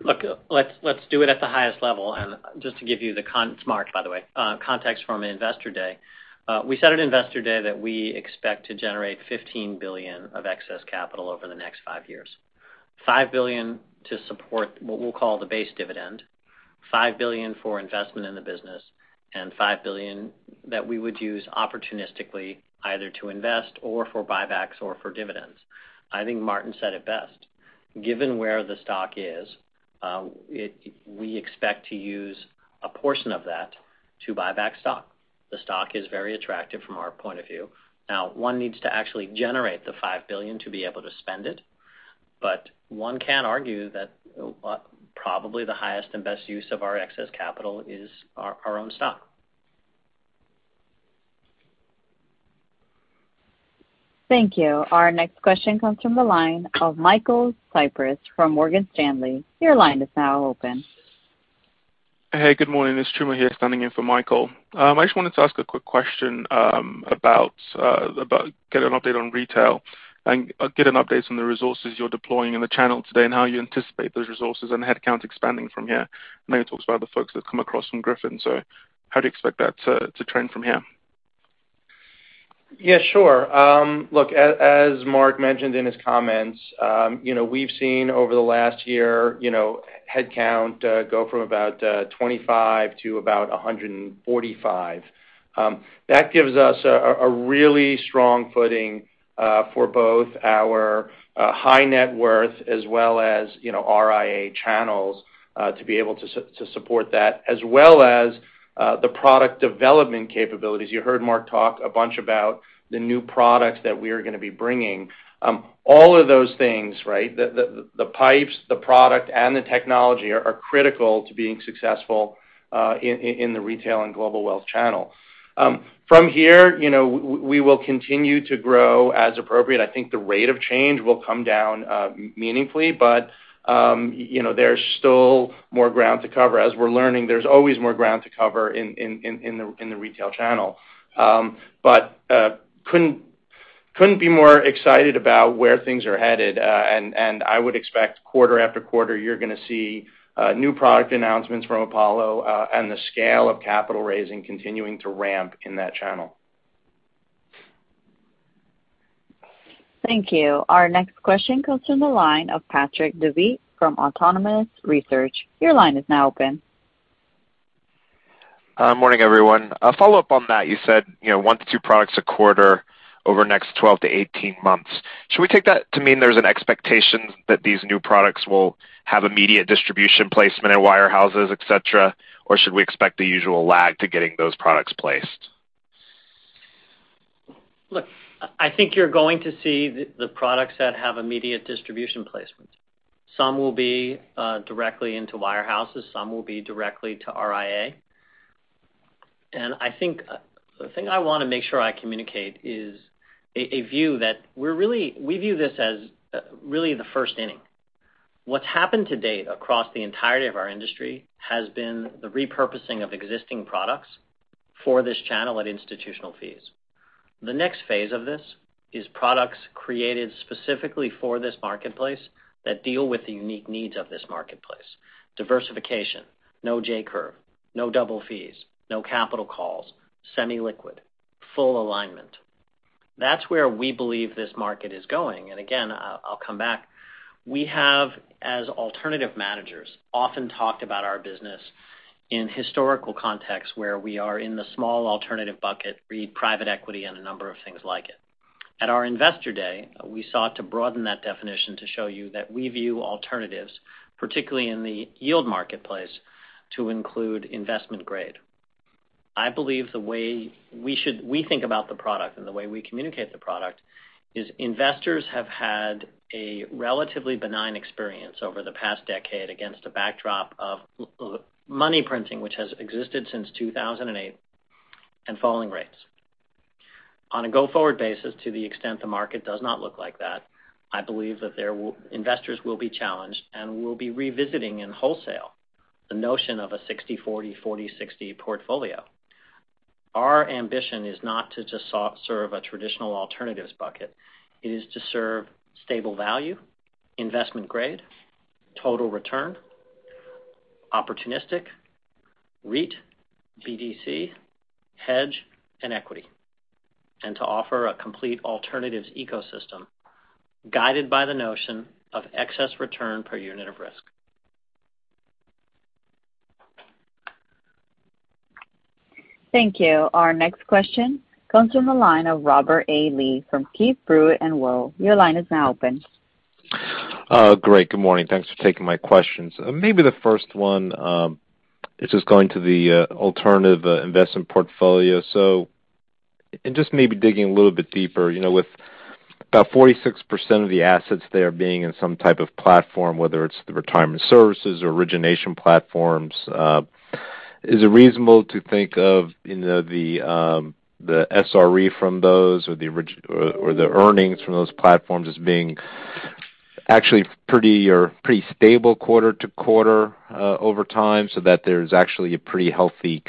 Look, let's do it at the highest level. Just to give you the context from Investor Day. It's Marc, by the way. We said at Investor Day that we expect to generate $15 billion of excess capital over the next five years. $5 billion to support what we'll call the base dividend, $5 billion for investment in the business, and $5 billion that we would use opportunistically either to invest or for buybacks or for dividends. I think Martin said it best. Given where the stock is, we expect to use a portion of that to buy back stock. The stock is very attractive from our point of view. Now, one needs to actually generate the $5 billion to be able to spend it, but one can argue that probably the highest and best use of our excess capital is our own stock. Thank you. Our next question comes from the line of Michael Cyprys from Morgan Stanley. Your line is now open. Hey, good morning. It's Truman here standing in for Michael. I just wanted to ask a quick question about getting an update on retail and getting an update on the resources you're deploying in the channel today and how you anticipate those resources and headcount expanding from here. I know you talked about the folks that come across from Griffin, so how do you expect that to trend from here? Yeah, sure. Look, as Marc mentioned in his comments, you know, we've seen over the last year, you know, headcount go from about 25 to about 145. That gives us a really strong footing for both our high net worth as well as, you know, RIA channels to be able to support that, as well as the product development capabilities. You heard Marc talk a bunch about the new products that we are gonna be bringing. All of those things, right? The pipes, the product, and the technology are critical to being successful in the retail and global wealth channel. From here, you know, we will continue to grow as appropriate. I think the rate of change will come down meaningfully, but you know, there's still more ground to cover. As we're learning, there's always more ground to cover in the retail channel. Couldn't be more excited about where things are headed. I would expect quarter after quarter, you're gonna see new product announcements from Apollo, and the scale of capital raising continuing to ramp in that channel. Thank you. Our next question comes from the line of Patrick Davitt from Autonomous Research. Your line is now open. Morning, everyone. A follow-up on that. You said, you know, one to two products a quarter over the next 12-18 months. Should we take that to mean there's an expectation that these new products will have immediate distribution placement at wirehouses, et cetera, or should we expect the usual lag to getting those products placed? Look, I think you're going to see the products that have immediate distribution placement. Some will be directly into wirehouses, some will be directly to RIA. I think the thing I wanna make sure I communicate is a view that we view this as really the first inning. What's happened to date across the entirety of our industry has been the repurposing of existing products for this channel at institutional fees. The next phase of this is products created specifically for this marketplace that deal with the unique needs of this marketplace. Diversification, no J curve, no double fees, no capital calls, semi-liquid, full alignment. That's where we believe this market is going. I'll come back. We have, as alternative managers, often talked about our business in historical context, where we are in the small alternative bucket, read private equity and a number of things like it. At our Investor Day, we sought to broaden that definition to show you that we view alternatives, particularly in the yield marketplace, to include investment grade. I believe we think about the product and the way we communicate the product is investors have had a relatively benign experience over the past decade against a backdrop of money printing, which has existed since 2008, and falling rates. On a go-forward basis, to the extent the market does not look like that, I believe investors will be challenged, and we'll be revisiting in wholesale the notion of a 60/40 portfolio. Our ambition is not to just serve a traditional alternatives bucket. It is to serve stable value, investment grade, total return, opportunistic, REIT, BDC, hedge, and equity, and to offer a complete alternatives ecosystem guided by the notion of excess return per unit of risk. Thank you. Our next question comes from the line of Robert A. Lee from KeyBanc. Your line is now open. Great. Good morning. Thanks for taking my questions. Maybe the first one is just going to the alternative investment portfolio. Just maybe digging a little bit deeper, you know, with about 46% of the assets there being in some type of platform, whether it's the retirement services or origination platforms, is it reasonable to think of, you know, the SRE from those or the earnings from those platforms as being actually pretty stable quarter to quarter over time, so that there's actually a pretty healthy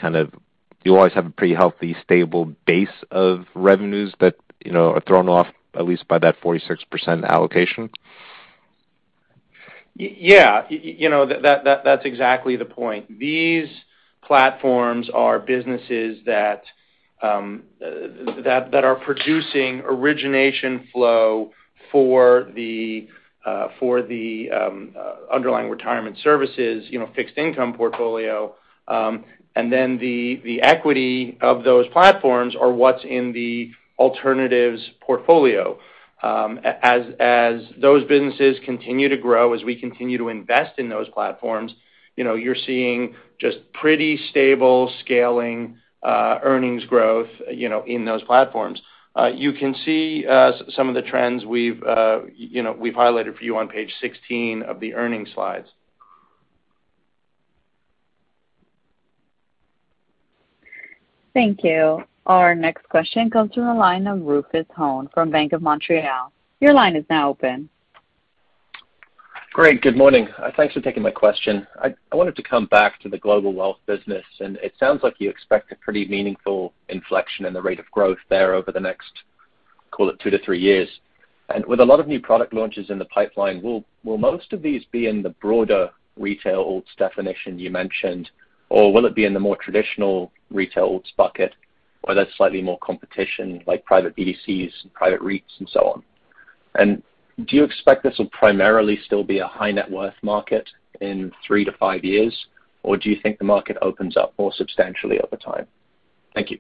you always have a pretty healthy, stable base of revenues that, you know, are thrown off at least by that 46% allocation? Yeah. You know, that's exactly the point. These platforms are businesses that are producing origination flow for the underlying retirement services, you know, fixed income portfolio. Then the equity of those platforms are what's in the alternatives portfolio. As those businesses continue to grow, as we continue to invest in those platforms, you know, you're seeing just pretty stable scaling earnings growth, you know, in those platforms. You can see some of the trends we've, you know, highlighted for you on page 16 of the earnings slides. Thank you. Our next question comes from the line of Rufus Hone from Bank of Montreal. Your line is now open. Great. Good morning. Thanks for taking my question. I wanted to come back to the global wealth business. It sounds like you expect a pretty meaningful inflection in the rate of growth there over the next Call it two to three years. With a lot of new product launches in the pipeline, will most of these be in the broader retail alts definition you mentioned, or will it be in the more traditional retail alts bucket, or that's slightly more competition like private BDCs and private REITs and so on? Do you expect this will primarily still be a high net worth market in three to five years, or do you think the market opens up more substantially over time? Thank you.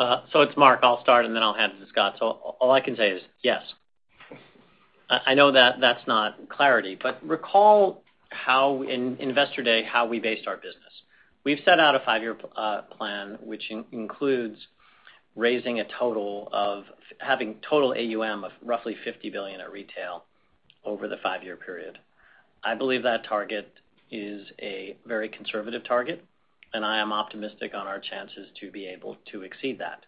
It's Marc. I'll start, and then I'll hand it to Scott. All I can say is yes. I know that that's not clarity, but recall how in Investor Day we based our business. We've set out a five-year plan, which includes having total AUM of roughly $50 billion at retail over the five-year period. I believe that target is a very conservative target, and I am optimistic on our chances to be able to exceed that.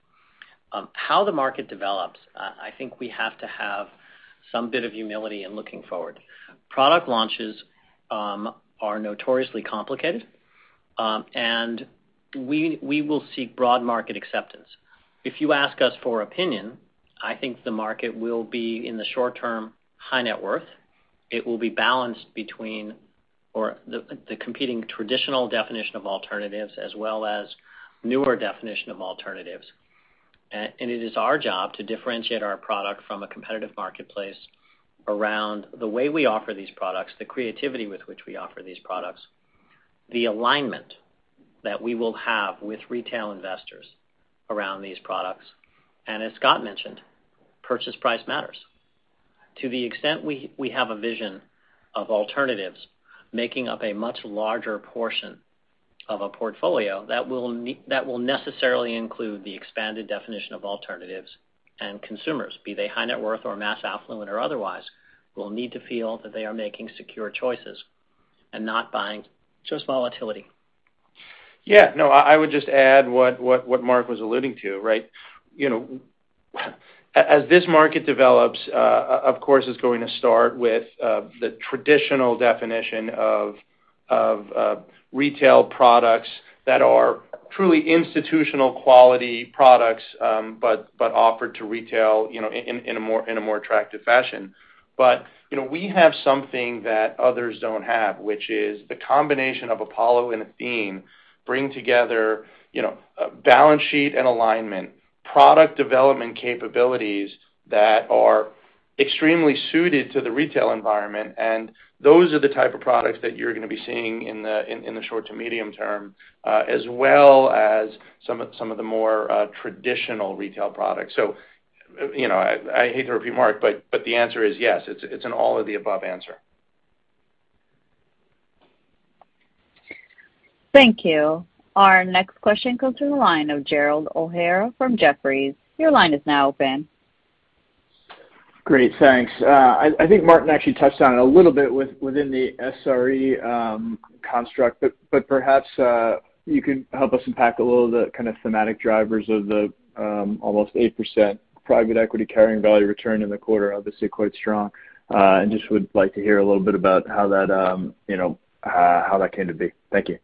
How the market develops, I think we have to have some bit of humility in looking forward. Product launches are notoriously complicated, and we will seek broad market acceptance. If you ask us for opinion, I think the market will be, in the short term, high net worth. It will be balanced between the competing traditional definition of alternatives as well as newer definition of alternatives. It is our job to differentiate our product from a competitive marketplace around the way we offer these products, the creativity with which we offer these products, the alignment that we will have with retail investors around these products. As Scott mentioned, purchase price matters. To the extent we have a vision of alternatives making up a much larger portion of a portfolio that will necessarily include the expanded definition of alternatives. Consumers, be they high net worth or mass affluent or otherwise, will need to feel that they are making secure choices and not buying just volatility. Yeah. No, I would just add what Marc was alluding to, right? You know, as this market develops, of course, it's going to start with the traditional definition of retail products that are truly institutional quality products, but offered to retail, you know, in a more attractive fashion. You know, we have something that others don't have, which is the combination of Apollo and Athene bring together, you know, a balance sheet and alignment, product development capabilities that are extremely suited to the retail environment. Those are the type of products that you're gonna be seeing in the short to medium term, as well as some of the more traditional retail products. you know, I hate to repeat Marc, but the answer is yes. It's an all of the above answer. Thank you. Our next question comes to the line of Gerald O'Hara from Jefferies. Your line is now open. Great. Thanks. I think Martin actually touched on it a little bit within the SRE construct, but perhaps you can help us unpack a little of the kinda thematic drivers of the almost 8% private equity carrying value return in the quarter, obviously quite strong. Just would like to hear a little bit about how that, you know, how that came to be. Thank you.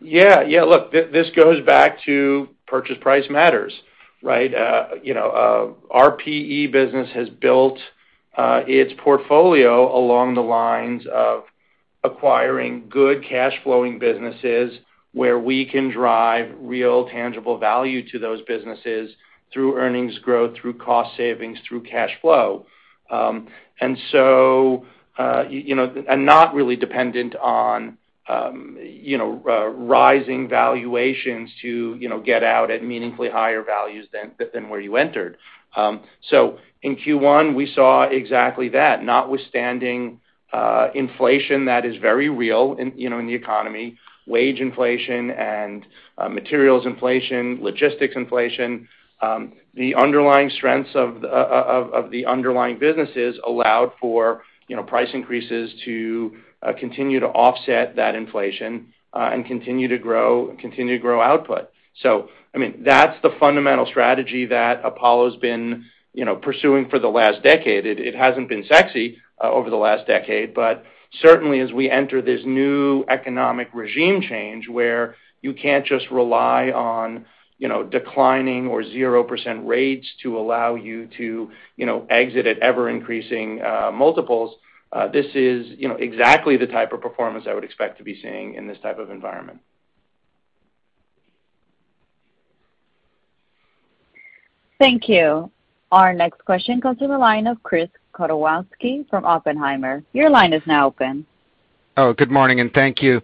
Yeah. Yeah, look, this goes back to purchase price matters, right? You know, our PE business has built its portfolio along the lines of acquiring good cash flowing businesses where we can drive real tangible value to those businesses through earnings growth, through cost savings, through cash flow. You know, and not really dependent on you know rising valuations to you know get out at meaningfully higher values than where you entered. In Q1, we saw exactly that, notwithstanding inflation that is very real in you know in the economy, wage inflation and materials inflation, logistics inflation. The underlying strengths of the underlying businesses allowed for you know price increases to continue to offset that inflation and continue to grow, and continue to grow output. I mean, that's the fundamental strategy that Apollo's been, you know, pursuing for the last decade. It hasn't been sexy over the last decade, but certainly as we enter this new economic regime change where you can't just rely on, you know, declining or 0% rates to allow you to, you know, exit at ever-increasing multiples, this is, you know, exactly the type of performance I would expect to be seeing in this type of environment. Thank you. Our next question comes from the line of Chris Kotowski from Oppenheimer. Your line is now open. Oh, good morning, and thank you.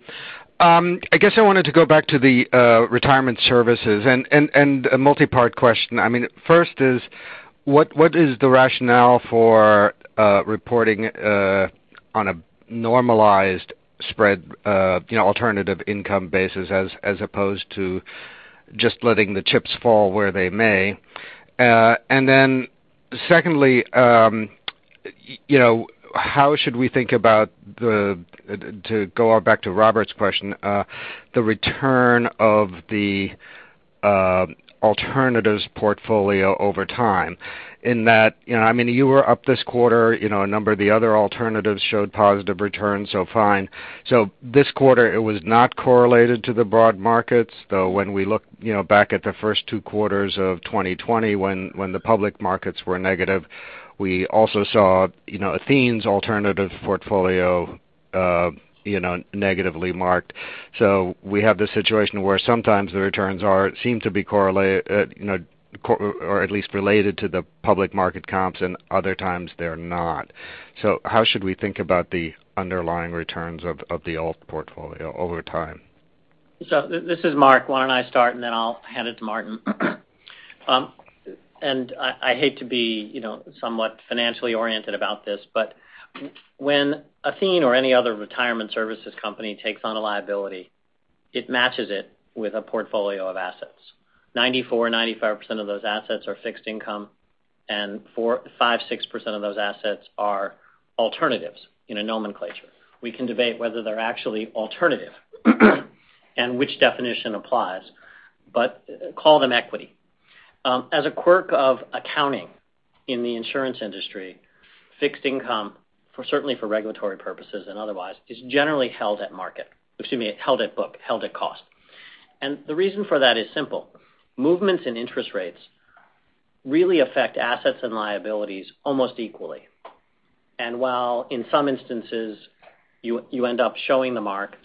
I guess I wanted to go back to the retirement services and a multi-part question. I mean, first is what is the rationale for reporting on a normalized spread, you know, alternative income basis as opposed to just letting the chips fall where they may? Secondly, you know, how should we think about, to go back to Robert's question, the return of the alternatives portfolio over time? In that, you know, I mean, you were up this quarter, you know, a number of the other alternatives showed positive returns, so fine. This quarter it was not correlated to the broad markets, though, when we look, you know, back at the first two quarters of 2020 when the public markets were negative, we also saw, you know, Athene's alternative portfolio negatively marked. We have this situation where sometimes the returns seem to be correlated or at least related to the public market comps, and other times they're not. How should we think about the underlying returns of the alt portfolio over time? This is Marc. Why don't I start and then I'll hand it to Martin. I hate to be, you know, somewhat financially oriented about this, but when Athene or any other retirement services company takes on a liability, it matches it with a portfolio of assets. 94%-95% of those assets are fixed income, and 5%-6% of those assets are alternatives in a nomenclature. We can debate whether they're actually alternative, and which definition applies, but call them equity. As a quirk of accounting in the insurance industry, fixed income, certainly for regulatory purposes and otherwise, is generally held at book, held at cost. The reason for that is simple. Movements in interest rates really affect assets and liabilities almost equally. While in some instances you end up showing the mark,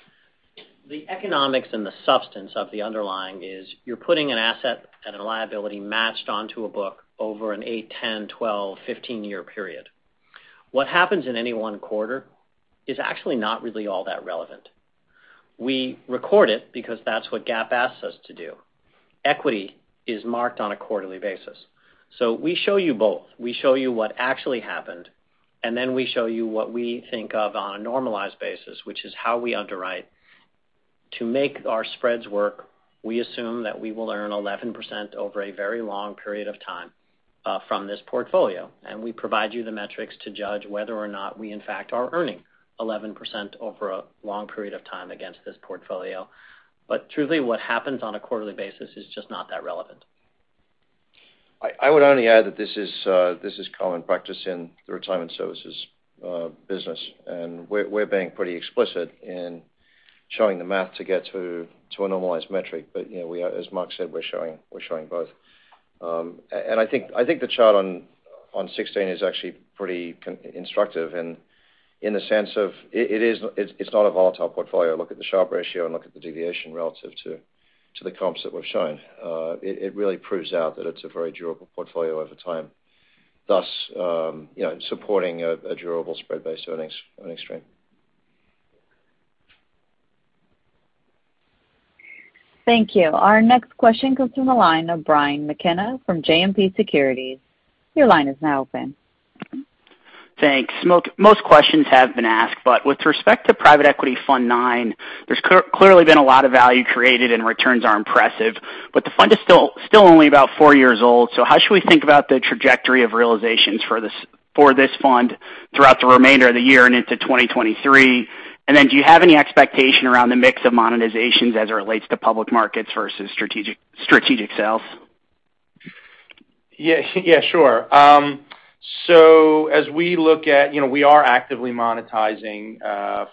the economics and the substance of the underlying is you're putting an asset and a liability matched onto a book over an eight 10, 12, 15 year period. What happens in any one quarter is actually not really all that relevant. We record it because that's what GAAP asks us to do. Equity is marked on a quarterly basis. We show you both. We show you what actually happened, and then we show you what we think of on a normalized basis, which is how we underwrite. To make our spreads work, we assume that we will earn 11% over a very long period of time from this portfolio, and we provide you the metrics to judge whether or not we in fact are earning 11% over a long period of time against this portfolio. Truly, what happens on a quarterly basis is just not that relevant. I would only add that this is common practice in the retirement services business, and we're being pretty explicit in showing the math to get to a normalized metric. You know, as Marc said, we're showing both. And I think the chart on 16 is actually pretty instructive in the sense that it's not a volatile portfolio. Look at the Sharpe ratio and look at the deviation relative to the comps that we're showing. It really proves out that it's a very durable portfolio over time, thus you know, supporting a durable spread-based earnings stream. Thank you. Our next question comes from the line of Brian McKenna from JMP Securities. Your line is now open. Thanks. Most questions have been asked, but with respect to private equity Fund IX, there's clearly been a lot of value created and returns are impressive. The fund is still only about four years old, so how should we think about the trajectory of realizations for this fund throughout the remainder of the year and into 2023? Do you have any expectation around the mix of monetizations as it relates to public markets versus strategic sales? Yeah, yeah, sure. As we look at, you know, we are actively monetizing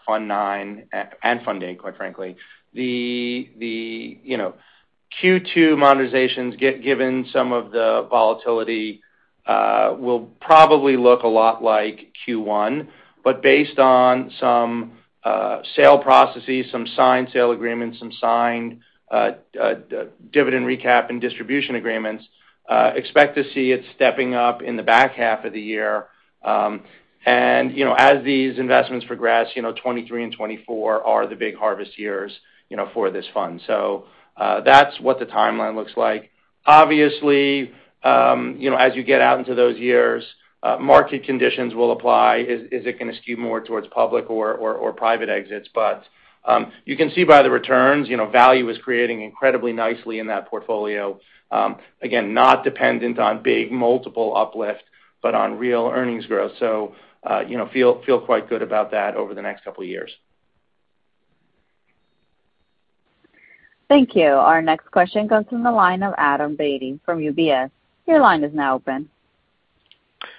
Fund IX and Fund VIII, quite frankly. You know, Q2 monetizations given some of the volatility will probably look a lot like Q1. Based on some sale processes, some signed sale agreements, some signed dividend recap and distribution agreements, expect to see it stepping up in the back half of the year. You know, as these investments progress, you know, 2023 and 2024 are the big harvest years, you know, for this fund. That's what the timeline looks like. Obviously, you know, as you get out into those years, market conditions will apply. Is it gonna skew more towards public or private exits? You can see by the returns, you know, value is creating incredibly nicely in that portfolio. Again, not dependent on big multiple uplift, but on real earnings growth. You know, feel quite good about that over the next couple years. Thank you. Our next question comes from the line of Adam Beatty from UBS. Your line is now open.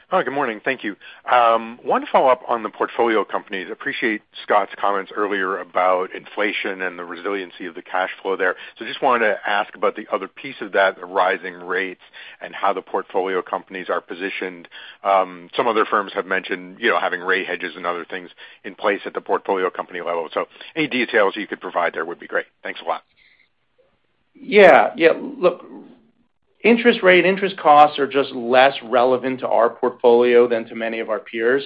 Hi, good morning. Thank you. One follow-up on the portfolio companies. Appreciate Scott's comments earlier about inflation and the resiliency of the cash flow there. Just wanted to ask about the other piece of that, the rising rates and how the portfolio companies are positioned. Some other firms have mentioned, you know, having rate hedges and other things in place at the portfolio company level. Any details you could provide there would be great. Thanks a lot. Look, interest rate interest costs are just less relevant to our portfolio than to many of our peers.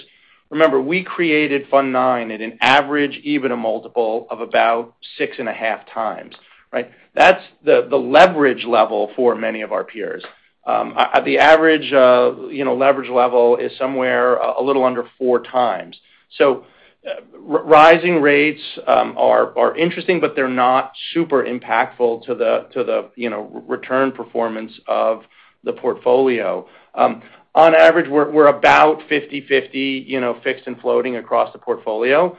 Remember, we created Fund IX at an average, even a multiple of about 6.5x, right? That's the leverage level for many of our peers. The average, you know, leverage level is somewhere a little under four times. So rising rates are interesting, but they're not super impactful to the return performance of the portfolio. On average, we're about 50/50, you know, fixed and floating across the portfolio.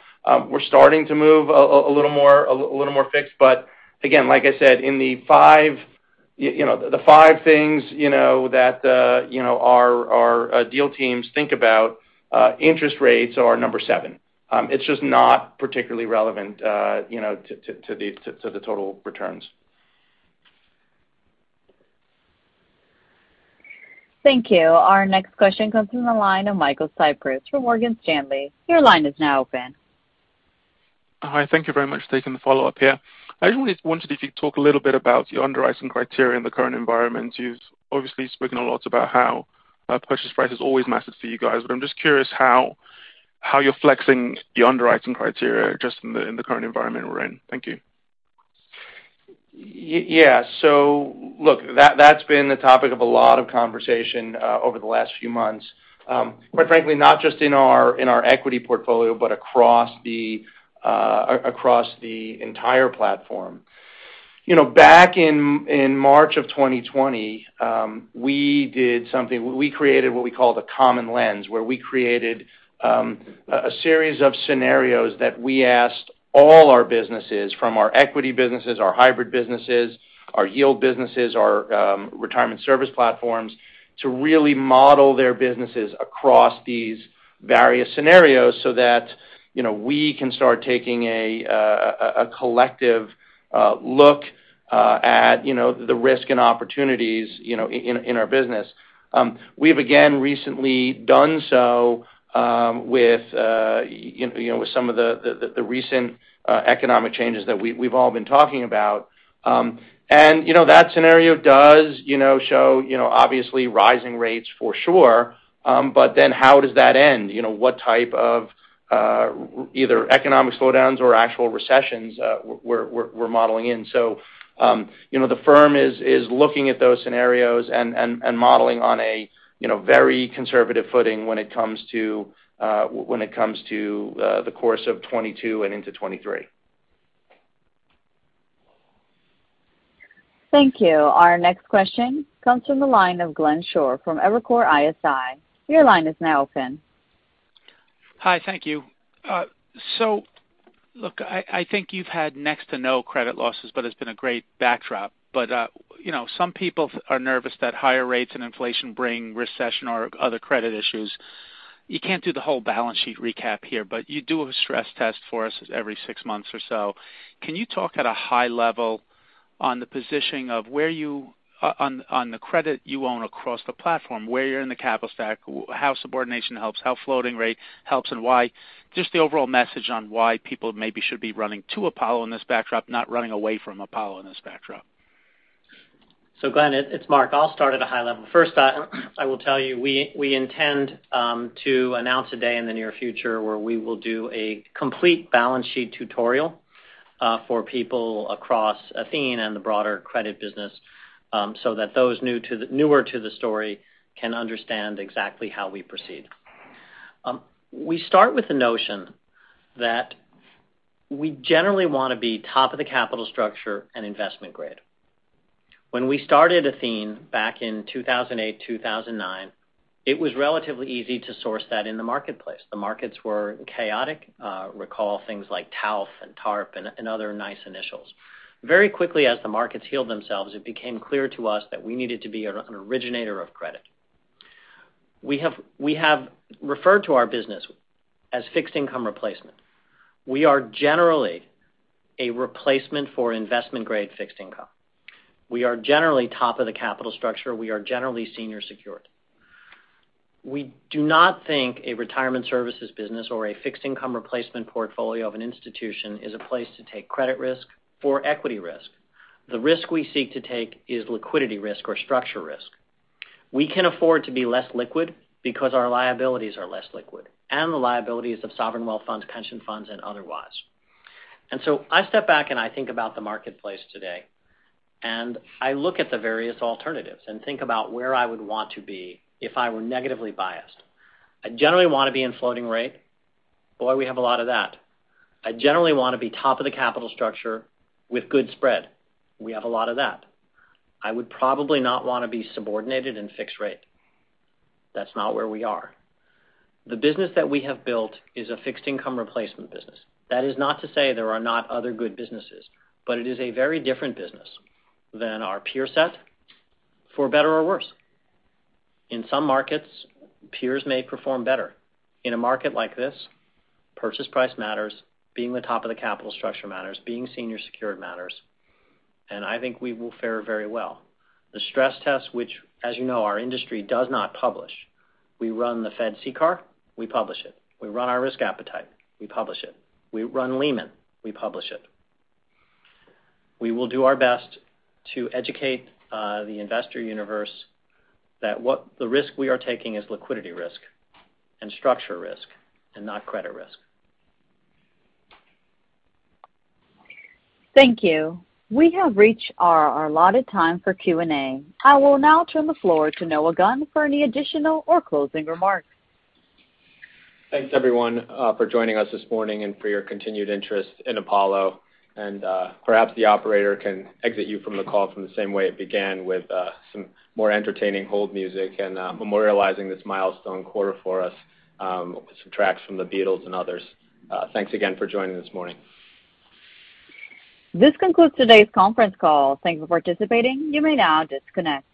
We're starting to move a little more fixed, but again, like I said, in the five things, you know, that our deal teams think about, interest rates are number seven. It's just not particularly relevant, you know, to the total returns. Thank you. Our next question comes from the line of Michael Cyprys from Morgan Stanley. Your line is now open. Hi, thank you very much. Taking the follow-up here. I just wanted you to talk a little bit about your underwriting criteria in the current environment. You've obviously spoken a lot about how purchase price has always mattered to you guys, but I'm just curious how you're flexing the underwriting criteria just in the current environment we're in. Thank you. Yeah. Look, that's been the topic of a lot of conversation over the last few months. Quite frankly, not just in our equity portfolio, but across the entire platform. You know, back in March 2020, we did something. We created what we call the common lens, where we created a series of scenarios that we asked all our businesses, from our equity businesses, our hybrid businesses, our yield businesses, our retirement service platforms, to really model their businesses across these various scenarios so that, you know, we can start taking a collective look at, you know, the risk and opportunities, you know, in our business. We've again recently done so, you know, with some of the recent economic changes that we've all been talking about. You know, that scenario does, you know, show, you know, obviously rising rates for sure. But then how does that end? You know, what type of either economic slowdowns or actual recessions we're modeling in. You know, the firm is looking at those scenarios and modeling on a, you know, very conservative footing when it comes to the course of 2022 and into 2023. Thank you. Our next question comes from the line of Glenn Schorr from Evercore ISI. Your line is now open. Hi, thank you. So look, I think you've had next to no credit losses, but it's been a great backdrop. You know, some people are nervous that higher rates and inflation bring recession or other credit issues. You can't do the whole balance sheet recap here, but you do have a stress test for us every six months or so. Can you talk at a high level on the positioning of where you're on the credit you own across the platform, where you're in the capital stack, how subordination helps, how floating rate helps, and why. Just the overall message on why people maybe should be running to Apollo in this backdrop, not running away from Apollo in this backdrop. Glenn, it's Marc. I'll start at a high level. First, I will tell you, we intend to announce a date in the near future where we will do a complete balance sheet tutorial for people across Athene and the broader credit business, so that those newer to the story can understand exactly how we proceed. We start with the notion that we generally wanna be top of the capital structure and investment grade. When we started Athene back in 2008, 2009, it was relatively easy to source that in the marketplace. The markets were chaotic. Recall things like TALF and TARP and other nice initials. Very quickly as the markets healed themselves, it became clear to us that we needed to be an originator of credit. We have referred to our business as fixed income replacement. We are generally a replacement for investment-grade fixed income. We are generally top of the capital structure. We are generally senior secured. We do not think a retirement services business or a fixed income replacement portfolio of an institution is a place to take credit risk or equity risk. The risk we seek to take is liquidity risk or structure risk. We can afford to be less liquid because our liabilities are less liquid, and the liabilities of sovereign wealth funds, pension funds, and otherwise. I step back and I think about the marketplace today, and I look at the various alternatives and think about where I would want to be if I were negatively biased. I generally wanna be in floating rate. Boy, we have a lot of that. I generally wanna be top of the capital structure with good spread. We have a lot of that. I would probably not wanna be subordinated in fixed rate. That's not where we are. The business that we have built is a fixed income replacement business. That is not to say there are not other good businesses, but it is a very different business than our peer set, for better or worse. In some markets, peers may perform better. In a market like this, purchase price matters, being the top of the capital structure matters, being senior secured matters, and I think we will fare very well. The stress test, which, as you know, our industry does not publish. We run the Fed CCAR, we publish it. We run our risk appetite, we publish it. We run Lehman, we publish it. We will do our best to educate, the investor universe that what the risk we are taking is liquidity risk and structure risk and not credit risk. Thank you. We have reached our allotted time for Q&A. I will now turn the floor to Noah Gunn for any additional or closing remarks. Thanks, everyone, for joining us this morning and for your continued interest in Apollo. Perhaps the operator can exit you from the call from the same way it began with some more entertaining hold music and memorializing this milestone quarter for us, some tracks from The Beatles and others. Thanks again for joining this morning. This concludes today's conference call. Thank you for participating. You may now disconnect.